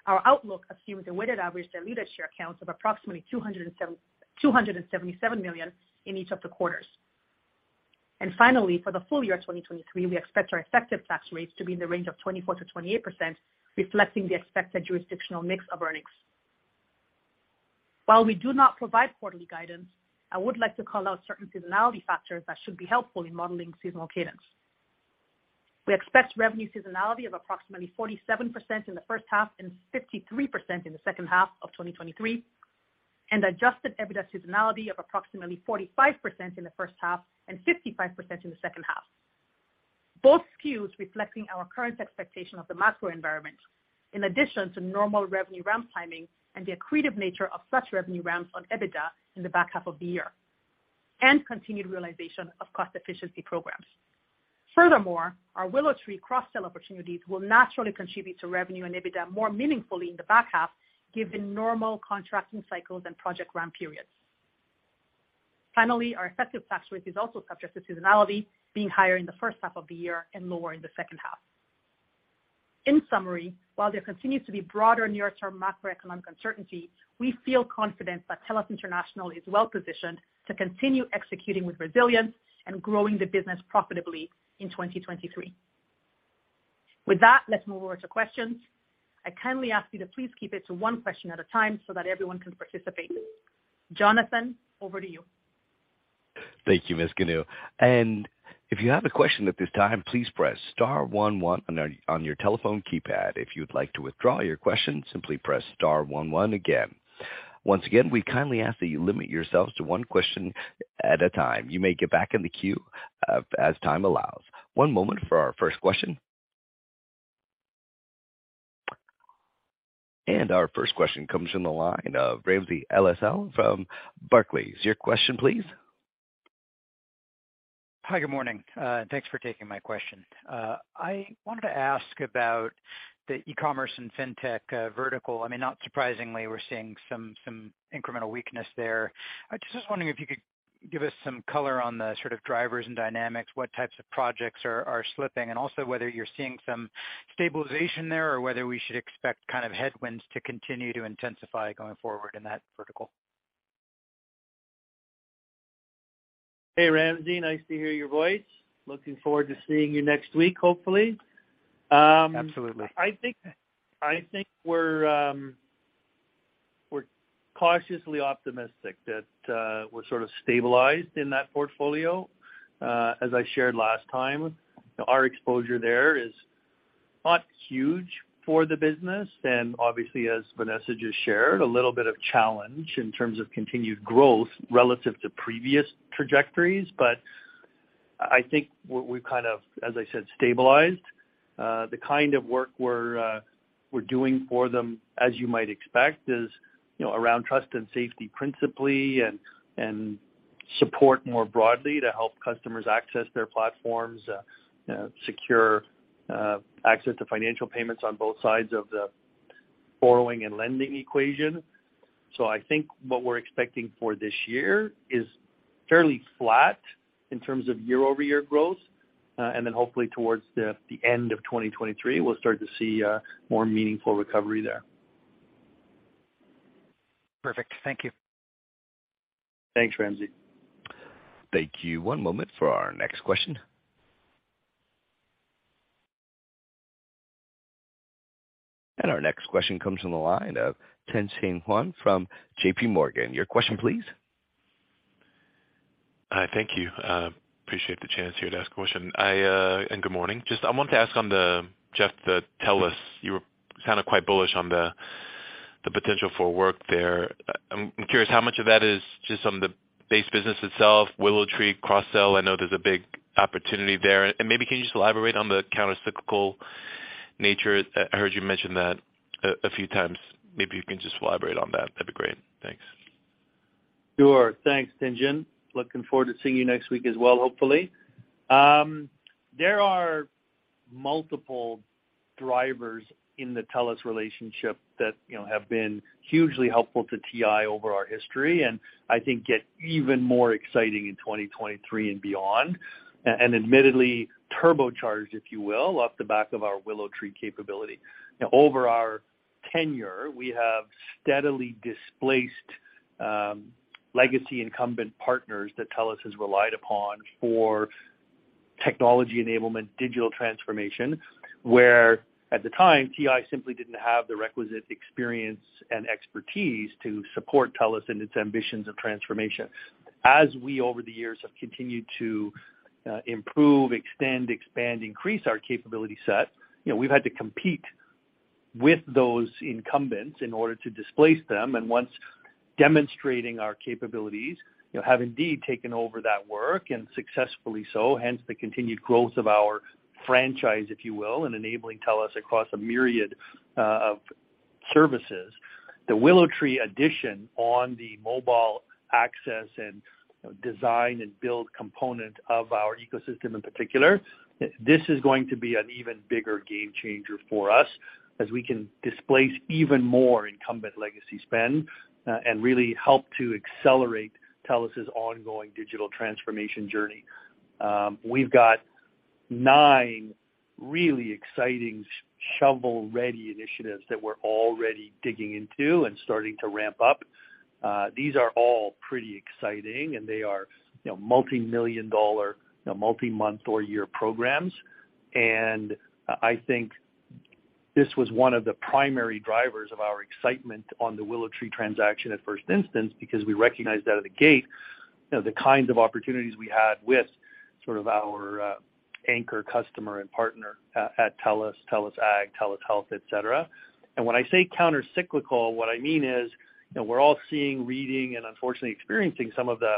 Our outlook assumes a weighted average diluted share count of approximately 277 million in each of the quarters. Finally, for the full year 2023, we expect our effective tax rates to be in the range of 24%-28%, reflecting the expected jurisdictional mix of earnings. While we do not provide quarterly guidance, I would like to call out certain seasonality factors that should be helpful in modeling seasonal cadence. We expect revenue seasonality of approximately 47% in the first half and 53% in the second half of 2023, and adjusted EBITDA seasonality of approximately 45% in the first half and 55% in the second half. Both SKUs reflecting our current expectation of the macro environment in addition to normal revenue ramp timing and the accretive nature of such revenue ramps on EBITDA in the back half of the year, and continued realization of cost efficiency programs. Furthermore, our WillowTree cross-sell opportunities will naturally contribute to revenue and EBITDA more meaningfully in the back half, given normal contracting cycles and project ramp periods. Our effective tax rate is also subject to seasonality being higher in the first half of the year and lower in the second half. While there continues to be broader near-term macroeconomic uncertainty, we feel confident that TELUS International is well-positioned to continue executing with resilience and growing the business profitably in 2023. Let's move over to questions. I kindly ask you to please keep it to one question at a time so that everyone can participate. Jonathan, over to you. Thank you, Ms. Kanu. If you have a question at this time, please press star one one on your telephone keypad. If you'd like to withdraw your question, simply press star one one again. Once again, we kindly ask that you limit yourselves to one question at a time. You may get back in the queue as time allows. One moment for our first question. Our first question comes from the line of Ramsey El-Assal from Barclays. Your question, please. Hi, good morning. Thanks for taking my question. I wanted to ask about the e-commerce and fintech vertical. I mean, not surprisingly, we're seeing some incremental weakness there. I was just wondering if you could give us some color on the sort of drivers and dynamics, what types of projects are slipping, and also whether you're seeing some stabilization there or whether we should expect kind of headwinds to continue to intensify going forward in that vertical? Hey, Ramsey, nice to hear your voice. Looking forward to seeing you next week, hopefully. Absolutely. I think we're cautiously optimistic that we're sort of stabilized in that portfolio. As I shared last time, our exposure there is not huge for the business. Obviously, as Vanessa just shared, a little bit of challenge in terms of continued growth relative to previous trajectories. I think we've kind of, as I said, stabilized. The kind of work we're doing for them, as you might expect, is, you know, around trust and safety principally and support more broadly to help customers access their platforms, you know, secure access to financial payments on both sides of the borrowing and lending equation. I think what we're expecting for this year is fairly flat in terms of year-over-year growth. Hopefully towards the end of 2023, we'll start to see more meaningful recovery there. Perfect. Thank you. Thanks, Ramsey. Thank you. One moment for our next question. Our next question comes from the line of Tien-tsin Huang from J.P. Morgan. Your question, please. Thank you. Appreciate the chance here to ask a question. Good morning. I wanted to ask on the Jeff, the TELUS, you were sounded quite bullish on the potential for work there. I'm curious how much of that is just on the base business itself, WillowTree, cross-sell. I know there's a big opportunity there. Maybe can you just elaborate on the countercyclical nature? I heard you mention that a few times. Maybe you can just elaborate on that. That'd be great. Thanks. Sure. Thanks, Tien-tsin. Looking forward to seeing you next week as well, hopefully. There are multiple drivers in the TELUS relationship that, you know, have been hugely helpful to TI over our history, and I think get even more exciting in 2023 and beyond. Admittedly turbocharged, if you will, off the back of our WillowTree capability. Over our tenure, we have steadily displaced legacy incumbent partners that TELUS has relied upon for technology enablement, digital transformation, where at the time, TI simply didn't have the requisite experience and expertise to support TELUS in its ambitions of transformation. As we, over the years, have continued to improve, extend, expand, increase our capability set, you know, we've had to compete with those incumbents in order to displace them, and once demonstrating our capabilities, you know, have indeed taken over that work and successfully so, hence the continued growth of our franchise, if you will, and enabling TELUS across a myriad of services. The WillowTree addition on the mobile access and design and build component of our ecosystem in particular, this is going to be an even bigger game changer for us as we can displace even more incumbent legacy spend and really help to accelerate TELUS' ongoing digital transformation journey. We've got nine really exciting shovel-ready initiatives that we're already digging into and starting to ramp up. These are all pretty exciting, and they are, you know, multi-million dollar, you know, multi-month or year programs. I think this was one of the primary drivers of our excitement on the WillowTree transaction at first instance, because we recognized out of the gate, you know, the kinds of opportunities we had with sort of our anchor customer and partner at TELUS Ag, TELUS Health, et cetera. When I say countercyclical, what I mean is, you know, we're all seeing, reading, and unfortunately experiencing some of the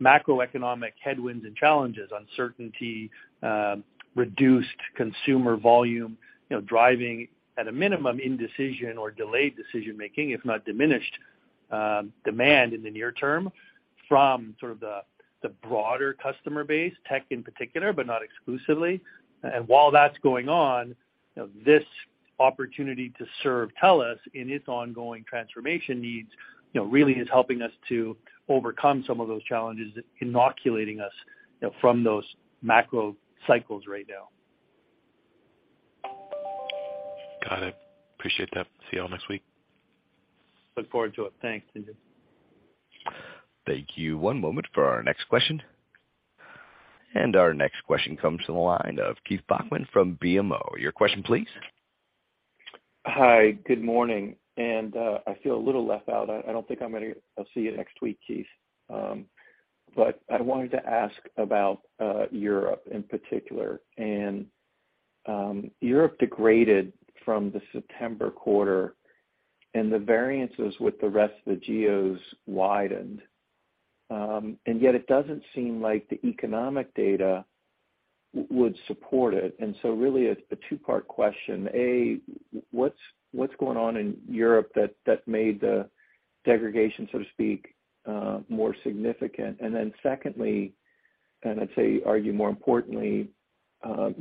macroeconomic headwinds and challenges, uncertainty, reduced consumer volume, you know, driving at a minimum indecision or delayed decision-making, if not diminished demand in the near term from sort of the broader customer base, tech in particular, but not exclusively. While that's going on, you know, this opportunity to serve TELUS in its ongoing transformation needs, you know, really is helping us to overcome some of those challenges, inoculating us, you know, from those macro cycles right now. Got it. Appreciate that. See you all next week. Look forward to it. Thanks. Thank you. One moment for our next question. Our next question comes from the line of Keith Bachman from BMO. Your question, please. Hi, good morning. I feel a little left out. I don't think I'm gonna see you next week, Keith. But I wanted to ask about Europe in particular. Europe degraded from the September quarter and the variances with the rest of the geos widened. And yet it doesn't seem like the economic data would support it. Really a two-part question. What's going on in Europe that made the degradation, so to speak, more significant? Secondly, and I'd say argue more importantly,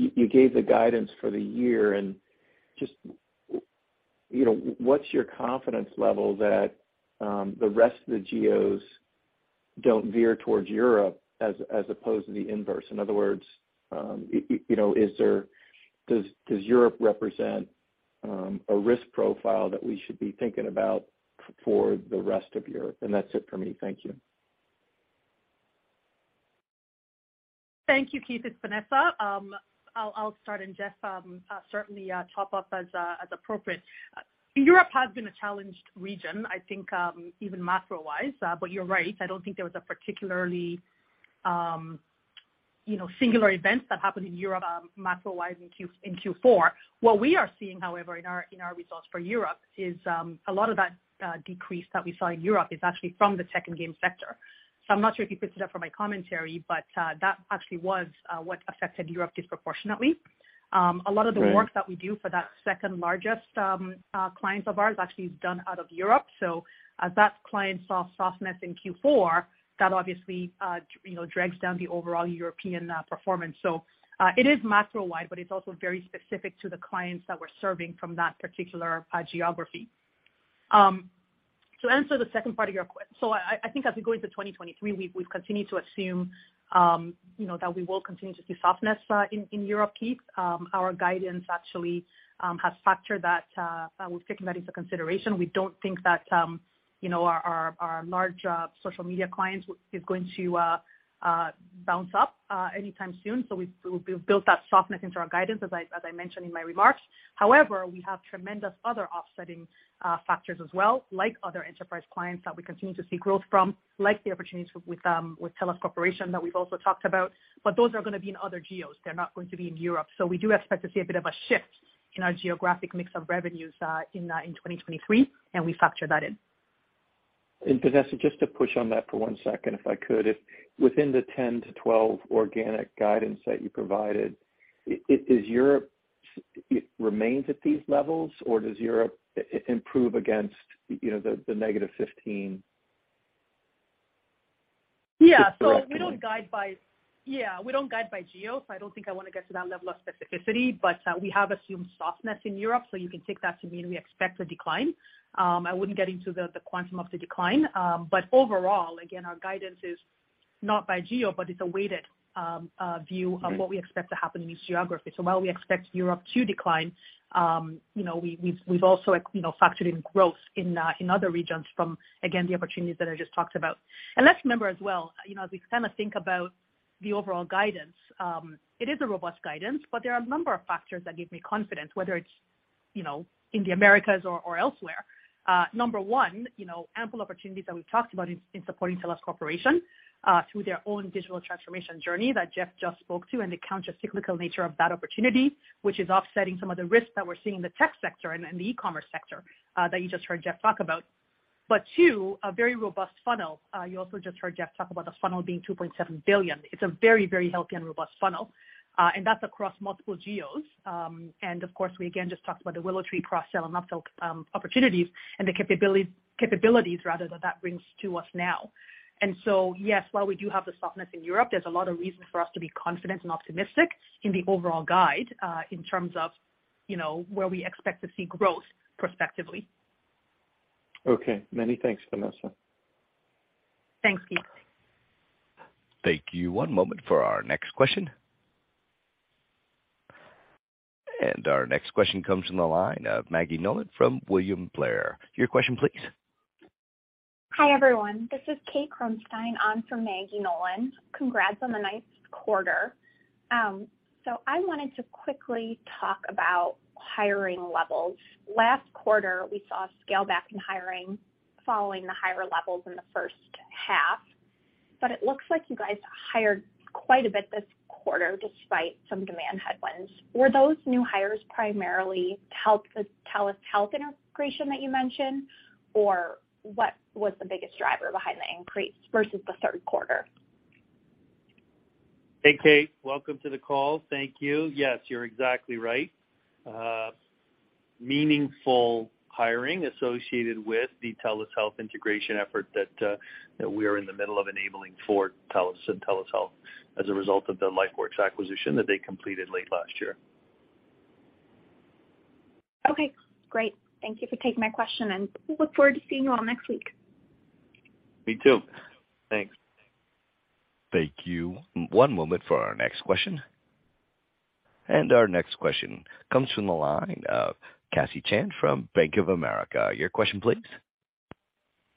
you gave the guidance for the year and just, you know, what's your confidence level that the rest of the geos don't veer towards Europe as opposed to the inverse? In other words, you know, does Europe represent a risk profile that we should be thinking about for the rest of the year? That's it for me. Thank you. Thank you, Keith. It's Vanessa. I'll start, Jeff certainly top off as appropriate. Europe has been a challenged region, I think, even macro-wise, you're right, I don't think there was a particularly, you know, singular event that happened in Europe macro-wise in Q4. What we are seeing, however, in our results for Europe is a lot of that decrease that we saw in Europe is actually from the tech and game sector. I'm not sure if you picked it up from my commentary, but that actually was what affected Europe disproportionately. A lot of the work- Right. that we do for that second-largest clients of ours actually is done out of Europe. As that client saw softness in Q4, that obviously, you know, drags down the overall European performance. It is macro-wide, but it's also very specific to the clients that we're serving from that particular geography. To answer the second part of your I think as we go into 2023, we've continued to assume, you know, that we will continue to see softness in Europe, Keith. Our guidance actually has factored that, we've taken that into consideration. We don't think that, you know, our large social media clients is going to bounce up anytime soon. We've built that softness into our guidance, as I mentioned in my remarks. However, we have tremendous other offsetting factors as well, like other enterprise clients that we continue to see growth from, like the opportunities with TELUS Corporation that we've also talked about. Those are gonna be in other geos. They're not going to be in Europe. We do expect to see a bit of a shift in our geographic mix of revenues in 2023, and we factor that in. Vanessa, just to push on that for one second, if I could. If within the 10%-12% organic guidance that you provided, is Europe remains at these levels or does Europe improve against, you know, the -15%? Yeah. Is that correct? We don't guide yeah, we don't guide by geos. I don't think I wanna get to that level of specificity. We have assumed softness in Europe, so you can take that to mean we expect a decline. I wouldn't get into the quantum of the decline. Overall, again, our guidance is not by geo, but it's a weighted view. Mm-hmm. of what we expect to happen in each geography. While we expect Europe to decline, you know, we've also, you know, factored in growth in other regions from, again, the opportunities that I just talked about. Let's remember as well, you know, as we kinda think about the overall guidance, it is a robust guidance, but there are a number of factors that give me confidence, whether it's, you know, in the Americas or elsewhere. Number one, you know, ample opportunities that we talked about in supporting TELUS Corporation through their own digital transformation journey that Jeff just spoke to, and the counter-cyclical nature of that opportunity, which is offsetting some of the risks that we're seeing in the tech sector and the e-commerce sector that you just heard Jeff talk about. Two, a very robust funnel. You also just heard Jeff talk about the funnel being $2.7 billion. It's a very, very healthy and robust funnel. That's across multiple geos. Of course, we again just talked about the WillowTree cross-sell and upsell opportunities and the capabilities rather, that brings to us now. Yes, while we do have the softness in Europe, there's a lot of reason for us to be confident and optimistic in the overall guide, in terms of, you know, where we expect to see growth prospectively. Okay. Many thanks, Vanessa. Thanks, Keith. Thank you. One moment for our next question. Our next question comes from the line of Maggie Nolan from William Blair. Your question please. Hi, everyone. This is Kate Kronstein on for Maggie Nolan. Congrats on a nice quarter. I wanted to quickly talk about hiring levels. Last quarter, we saw a scale back in hiring following the higher levels in the first half, it looks like you guys hired quite a bit this quarter despite some demand headwinds. Were those new hires primarily to help the TELUS Health integration that you mentioned? What was the biggest driver behind the increase versus the third quarter? Hey, Kate, welcome to the call. Thank you. Yes, you're exactly right. meaningful hiring associated with the TELUS Health integration effort that we are in the middle of enabling for TELUS and TELUS Health as a result of the LifeWorks acquisition that they completed late last year. Okay, great. Thank you for taking my question, and look forward to seeing you all next week. Me too. Thanks. Thank you. One moment for our next question. Our next question comes from the line of Cassie Chan from Bank of America. Your question please.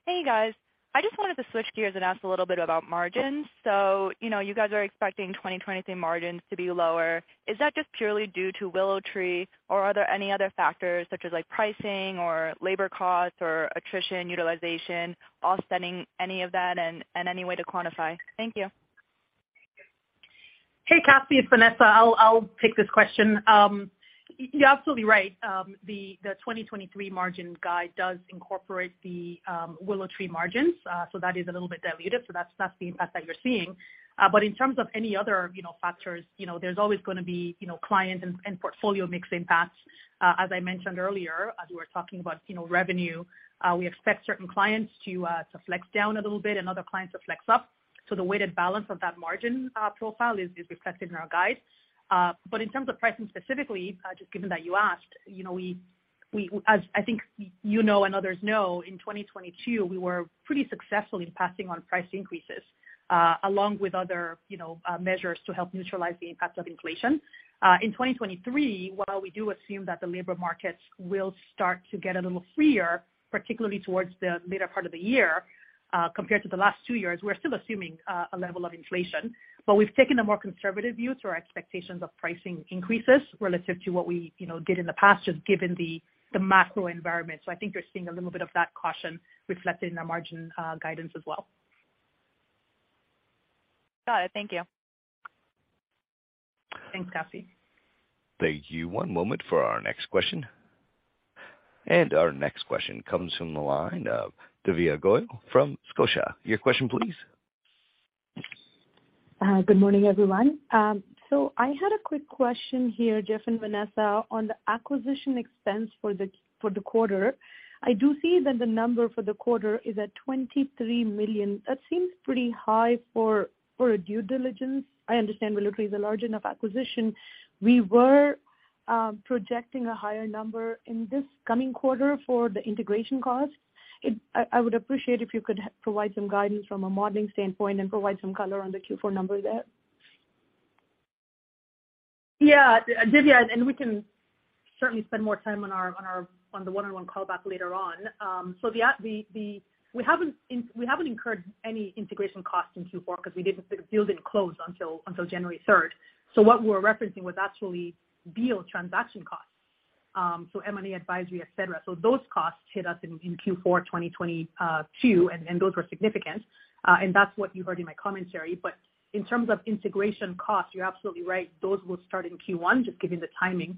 Hey, guys. I just wanted to switch gears and ask a little bit about margins. You know, you guys are expecting 2023 margins to be lower. Is that just purely due to WillowTree or are there any other factors such as like pricing or labor costs or attrition, utilization offsetting any of that and any way to quantify? Thank you. Hey, Cassie, it's Vanessa. I'll take this question. You're absolutely right. The 2023 margin guide does incorporate the WillowTree margins. That is a little bit diluted, that's the impact that you're seeing. In terms of any other, you know, factors, you know, there's always gonna be, you know, client and portfolio mix impacts. As I mentioned earlier, as we were talking about, you know, revenue, we expect certain clients to flex down a little bit and other clients to flex up. The weighted balance of that margin profile is reflected in our guide. In terms of pricing specifically, just given that you asked, you know, we, as I think you know and others know, in 2022, we were pretty successful in passing on price increases, along with other, you know, measures to help neutralize the impacts of inflation. In 2023, while we do assume that the labor markets will start to get a little freer, particularly towards the later part of the year, compared to the last two years, we're still assuming a level of inflation. We've taken a more conservative view to our expectations of pricing increases relative to what we, you know, did in the past, just given the macro environment. I think you're seeing a little bit of that caution reflected in our margin guidance as well. Got it. Thank you. Thanks, Cassie. Thank you. One moment for our next question. Our next question comes from the line of Divya Goyal from Scotiabank. Your question please. Good morning, everyone. I had a quick question here, Jeff and Vanessa, on the acquisition expense for the quarter. I do see that the number for the quarter is at $23 million. That seems pretty high for a due diligence. I understand WillowTree is a large enough acquisition. We were projecting a higher number in this coming quarter for the integration costs. I would appreciate if you could provide some guidance from a modeling standpoint and provide some color on the Q4 number there. Yeah. Divya, and we can certainly spend more time on our, on the one-on-one call back later on. We haven't incurred any integration costs in Q4 'cause we didn't deal didn't close until January third. What we're referencing was actually deal transaction costs, so M&A advisory, et cetera. Those costs hit us in Q4 2022, and those were significant. That's what you heard in my commentary. In terms of integration costs, you're absolutely right, those will start in Q1, just given the timing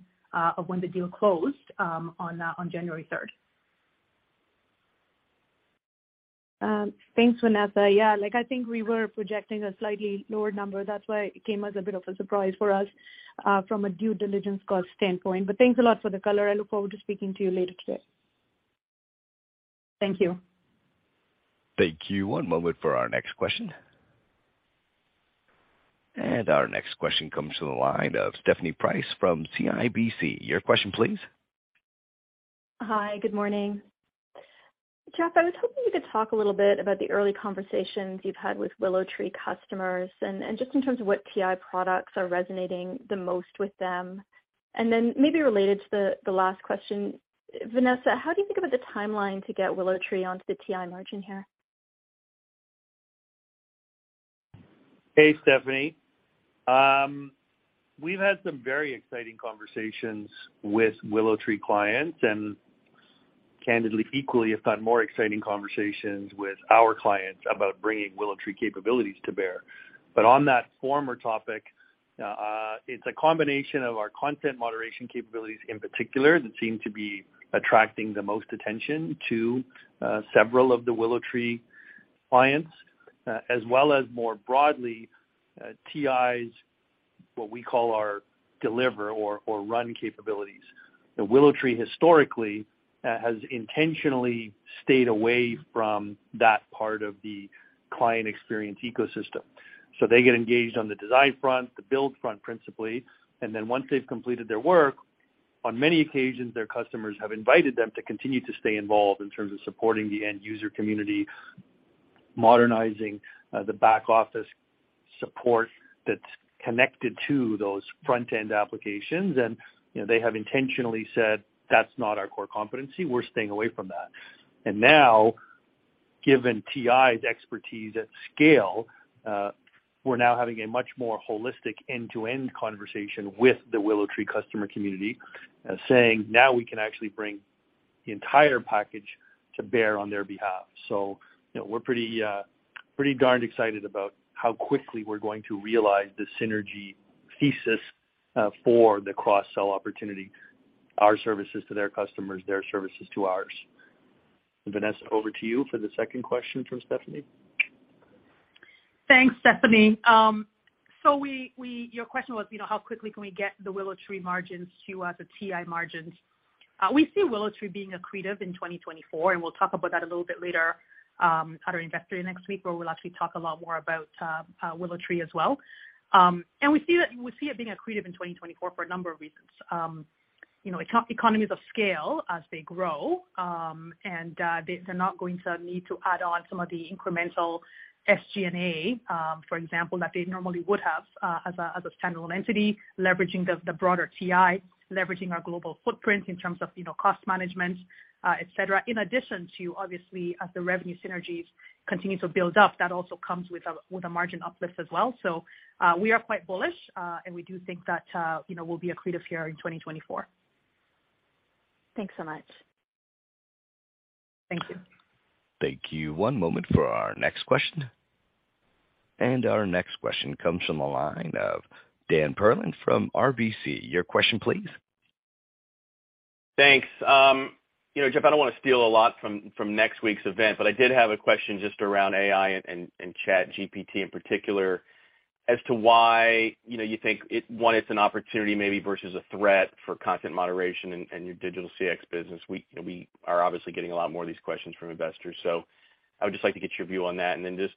of when the deal closed on January third. Thanks, Vanessa. I think we were projecting a slightly lower number. That's why it came as a bit of a surprise for us from a due diligence cost standpoint. Thanks a lot for the color. I look forward to speaking to you later today. Thank you. Thank you. One moment for our next question. Our next question comes to the line of Stephanie Price from CIBC. Your question please. Hi. Good morning. Jeff, I was hoping you could talk a little bit about the early conversations you've had with WillowTree customers and just in terms of what TI products are resonating the most with them. Then maybe related to the last question, Vanessa, how do you think about the timeline to get WillowTree onto the TI margin here? Hey, Stephanie. We've had some very exciting conversations with WillowTree clients and candidly, equally have had more exciting conversations with our clients about bringing WillowTree capabilities to bear. On that former topic, it's a combination of our content moderation capabilities in particular that seem to be attracting the most attention to several of the WillowTree clients, as well as more broadly, TI's, what we call our deliver or run capabilities. The WillowTree historically has intentionally stayed away from that part of the client experience ecosystem. They get engaged on the design front, the build front, principally, and then once they've completed their work, on many occasions their customers have invited them to continue to stay involved in terms of supporting the end user community, modernizing the back office support that's connected to those front-end applications. You know, they have intentionally said, "That's not our core competency. We're staying away from that." Now, given TI's expertise at scale, we're now having a much more holistic end-to-end conversation with the WillowTree customer community saying, now we can actually bring the entire package to bear on their behalf. We're pretty darn excited about how quickly we're going to realize the synergy thesis for the cross-sell opportunity, our services to their customers, their services to ours. Vanessa, over to you for the second question from Stephanie. Thanks, Stephanie. Your question was, you know, how quickly can we get the WillowTree margins to the TI margins. We see WillowTree being accretive in 2024, and we'll talk about that a little bit later at our investor day next week, where we'll actually talk a lot more about WillowTree as well. We see it being accretive in 2024 for a number of reasons. You know, economies of scale as they grow, they're not going to need to add on some of the incremental SG&A, for example, that they normally would have as a standalone entity, leveraging the broader TI, leveraging our global footprint in terms of, you know, cost management, et cetera. In addition to obviously, as the revenue synergies continue to build up, that also comes with a margin uplift as well. We are quite bullish, and we do think that, you know, we'll be accretive here in 2024. Thanks so much. Thank you. Thank you. One moment for our next question. Our next question comes from the line of Dan Perlin from RBC. Your question, please. Thanks. You know, Jeff, I don't want to steal a lot from next week's event, but I did have a question just around AI and ChatGPT in particular as to why, you know, you think one, it's an opportunity maybe versus a threat for content moderation and your digital CX business. We are obviously getting a lot more of these questions from investors, so I would just like to get your view on that. Then just,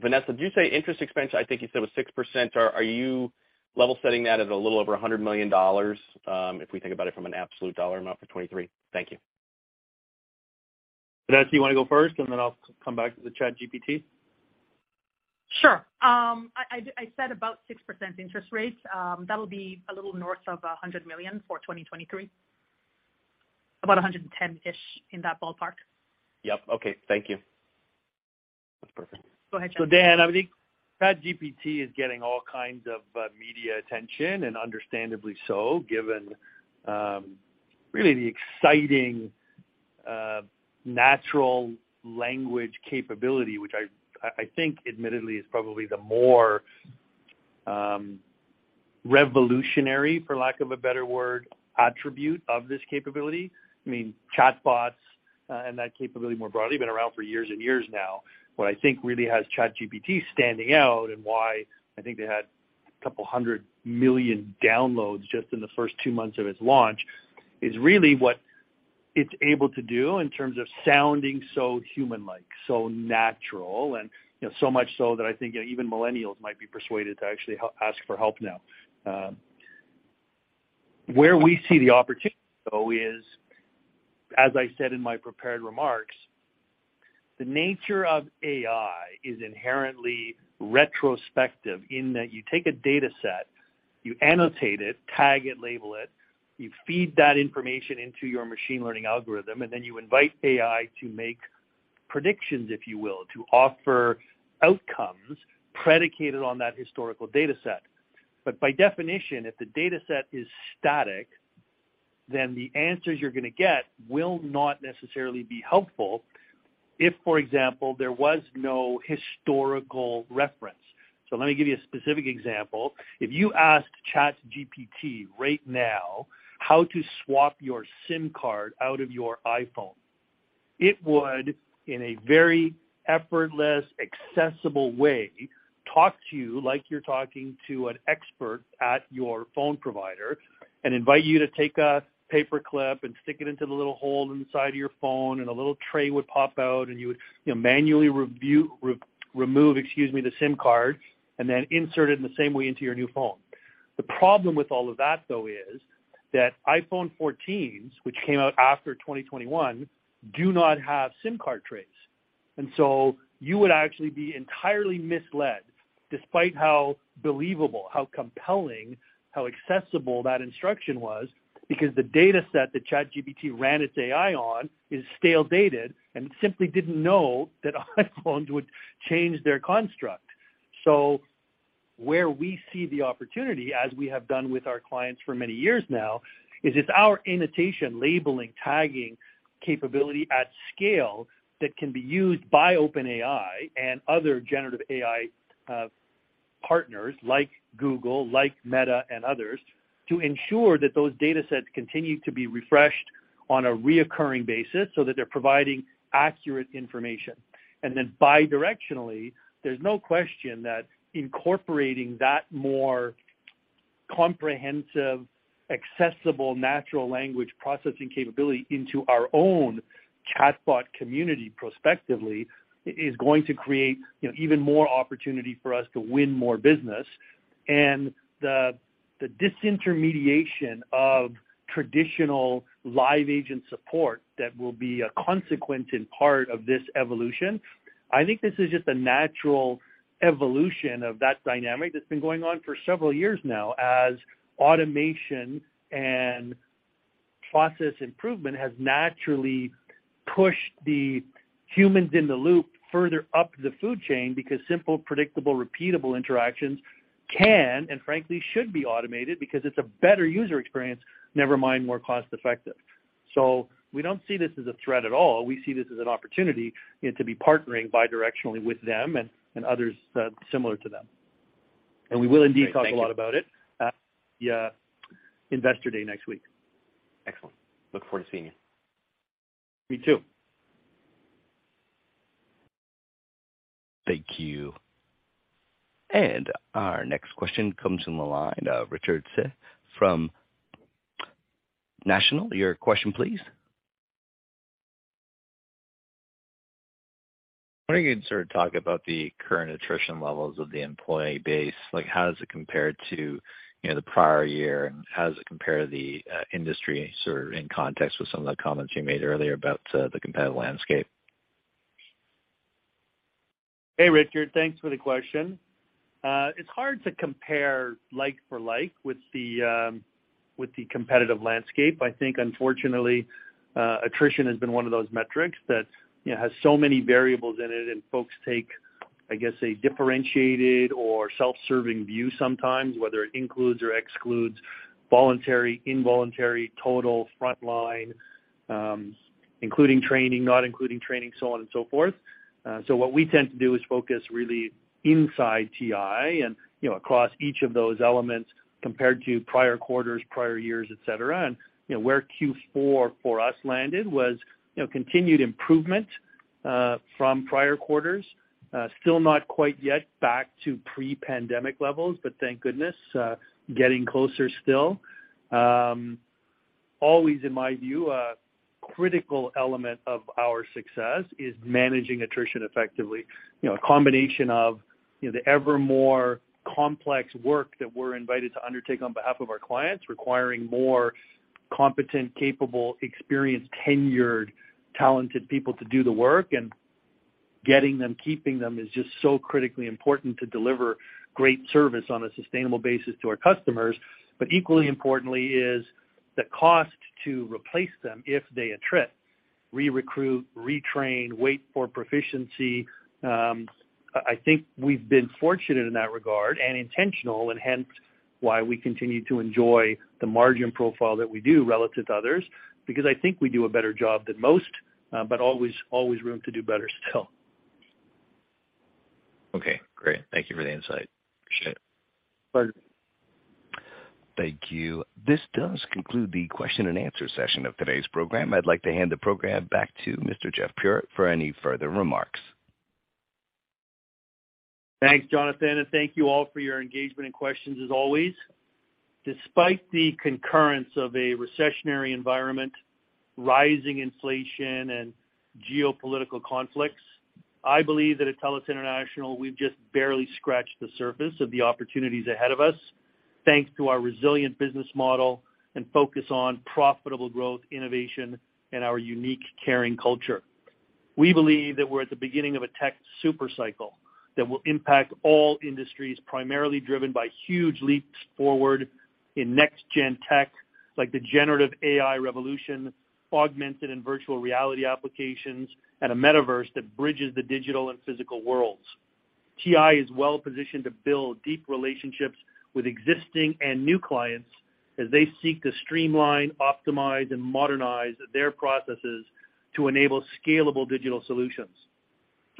Vanessa, did you say interest expense, I think you said was 6%. Are you level setting that at a little over $100 million if we think about it from an absolute dollar amount for 2023? Thank you. Vanessa, you wanna go first and then I'll come back to the ChatGPT? Sure. I said about 6% interest rates. That'll be a little north of $100 million for 2023. About $110-ish in that ballpark. Yep. Okay. Thank you. That's perfect. Go ahead, Jeff. Dan, I think ChatGPT is getting all kinds of media attention, and understandably so, given really the exciting natural language capability, which I think admittedly is probably the more revolutionary, for lack of a better word, attribute of this capability. I mean, chatbots and that capability more broadly, have been around for years and years now. What I think really has ChatGPT standing out and why I think they had 200 million downloads just in the first 2 months of its launch, is really what it's able to do in terms of sounding so human-like, so natural, and, you know, so much so that I think even millennials might be persuaded to actually ask for help now. Where we see the opportunity though is, as I said in my prepared remarks, the nature of AI is inherently retrospective in that you take a data set, you annotate it, tag it, label it, you feed that information into your machine learning algorithm, and then you invite AI to make predictions, if you will, to offer outcomes predicated on that historical data set. By definition, if the data set is static, then the answers you're gonna get will not necessarily be helpful if, for example, there was no historical reference. Let me give you a specific example. If you ask ChatGPT right now how to swap your SIM card out of your iPhone, it would, in a very effortless, accessible way, talk to you like you're talking to an expert at your phone provider and invite you to take a paperclip and stick it into the little hole inside your phone, and a little tray would pop out and you would, you know, manually re-remove, excuse me, the SIM card and then insert it in the same way into your new phone. The problem with all of that, though, is that iPhone 14s, which came out after 2021, do not have SIM card trays. You would actually be entirely misled despite how believable, how compelling, how accessible that instruction was, because the data set that ChatGPT ran its AI on is stale dated, and it simply didn't know that iPhones would change their construct. Where we see the opportunity, as we have done with our clients for many years now, is it's our annotation, labeling, tagging capability at scale that can be used by OpenAI and other generative AI partners like Google, like Meta and others, to ensure that those datasets continue to be refreshed on a reoccurring basis so that they're providing accurate information. Then bidirectionally, there's no question that incorporating that more comprehensive, accessible natural language processing capability into our own chatbot community prospectively is going to create, you know, even more opportunity for us to win more business. The disintermediation of traditional live agent support that will be a consequence in part of this evolution, I think this is just a natural evolution of that dynamic that's been going on for several years now as automation and process improvement has naturally pushed the human-in-the-loop further up the food chain because simple, predictable, repeatable interactions can, and frankly, should be automated because it's a better user experience, never mind more cost-effective. We don't see this as a threat at all. We see this as an opportunity, you know, to be partnering bidirectionally with them and others, similar to them. We will indeed talk- Great. Thank you. -a lot about it at the investor day next week. Excellent. Look forward to seeing you. Me too. Thank you. Our next question comes from the line of Richard Tse from National. Your question please. Wondering if you can sort of talk about the current attrition levels of the employee base, like how does it compare to, you know, the prior year, and how does it compare to the industry sort of in context with some of the comments you made earlier about the competitive landscape? Hey, Richard. Thanks for the question. It's hard to compare like for like with the competitive landscape. I think unfortunately, attrition has been one of those metrics that, you know, has so many variables in it and folks take, I guess, a differentiated or self-serving view sometimes, whether it includes or excludes voluntary, involuntary, total, frontline, including training, not including training, so on and so forth. So what we tend to do is focus really inside TI and, you know, across each of those elements compared to prior quarters, prior years, et cetera. You know, where Q4 for us landed was, you know, continued improvement from prior quarters. Still not quite yet back to pre-pandemic levels, but thank goodness, getting closer still. Always, in my view, a critical element of our success is managing attrition effectively. You know, a combination of, you know, the ever more complex work that we're invited to undertake on behalf of our clients, requiring more competent, capable, experienced, tenured, talented people to do the work and getting them, keeping them is just so critically important to deliver great service on a sustainable basis to our customers. Equally importantly is the cost to replace them if they attrit, re-recruit, retrain, wait for proficiency. I think we've been fortunate in that regard and intentional and hence why we continue to enjoy the margin profile that we do relative to others, because I think we do a better job than most, always room to do better still. Okay, great. Thank you for the insight. Appreciate it. Pleasure. Thank you. This does conclude the question and answer session of today's program. I'd like to hand the program back to Mr. Jeff Puritt for any further remarks. Thanks, Jonathan, and thank you all for your engagement and questions as always. Despite the concurrence of a recessionary environment, rising inflation and geopolitical conflicts, I believe that at TELUS International, we've just barely scratched the surface of the opportunities ahead of us, thanks to our resilient business model and focus on profitable growth, innovation, and our unique caring culture. We believe that we're at the beginning of a tech super cycle that will impact all industries, primarily driven by huge leaps forward in next-gen tech, like the generative AI revolution, augmented and virtual reality applications, and a metaverse that bridges the digital and physical worlds. TI is well-positioned to build deep relationships with existing and new clients as they seek to streamline, optimize, and modernize their processes to enable scalable digital solutions.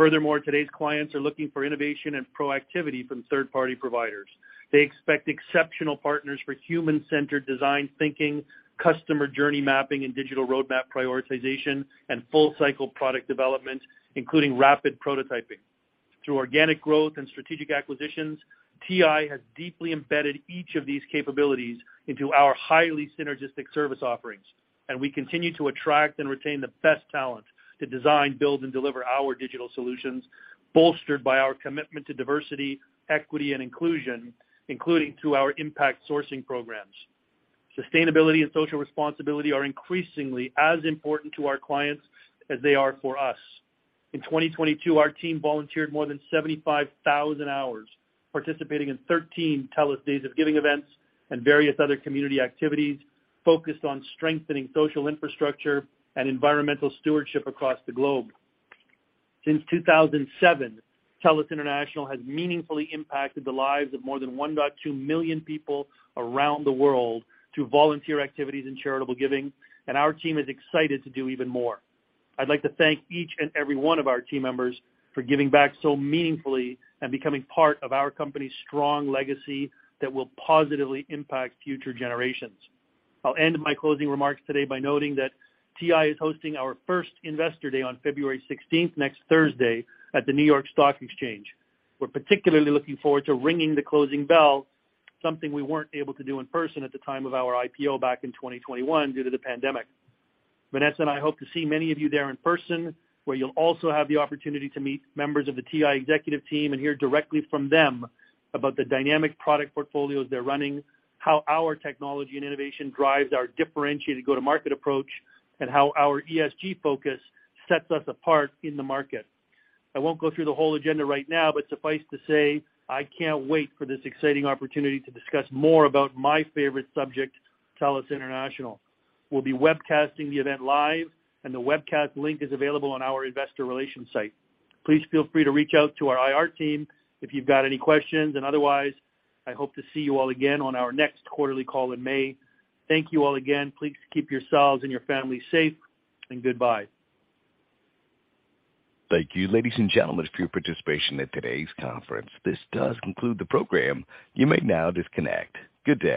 Furthermore, today's clients are looking for innovation and proactivity from third-party providers. They expect exceptional partners for human-centered design thinking, customer journey mapping and digital roadmap prioritization, and full cycle product development, including rapid prototyping. Through organic growth and strategic acquisitions, TI has deeply embedded each of these capabilities into our highly synergistic service offerings, and we continue to attract and retain the best talent to design, build, and deliver our digital solutions, bolstered by our commitment to diversity, equity, and inclusion, including through our impact sourcing programs. Sustainability and social responsibility are increasingly as important to our clients as they are for us. In 2022, our team volunteered more than 75,000 hours participating in 13 TELUS Days of Giving events and various other community activities focused on strengthening social infrastructure and environmental stewardship across the globe. Since 2007, TELUS International has meaningfully impacted the lives of more than 1.2 million people around the world through volunteer activities and charitable giving. Our team is excited to do even more. I'd like to thank each and every one of our team members for giving back so meaningfully and becoming part of our company's strong legacy that will positively impact future generations. I'll end my closing remarks today by noting that TI is hosting our first Investor Day on February 16th, next Thursday at the New York Stock Exchange. We're particularly looking forward to ringing the closing bell, something we weren't able to do in person at the time of our IPO back in 2021 due to the pandemic. I hope to see many of you there in person, where you'll also have the opportunity to meet members of the TI executive team and hear directly from them about the dynamic product portfolios they're running, how our technology and innovation drives our differentiated go-to-market approach, and how our ESG focus sets us apart in the market. I won't go through the whole agenda right now. Suffice to say, I can't wait for this exciting opportunity to discuss more about my favorite subject, TELUS International. We'll be webcasting the event live. The webcast link is available on our investor relations site. Please feel free to reach out to our IR team if you've got any questions. Otherwise, I hope to see you all again on our next quarterly call in May. Thank you all again. Please keep yourselves and your families safe, and goodbye. Thank you, ladies and gentlemen, for your participation in today's conference. This does conclude the program. You may now disconnect. Good day.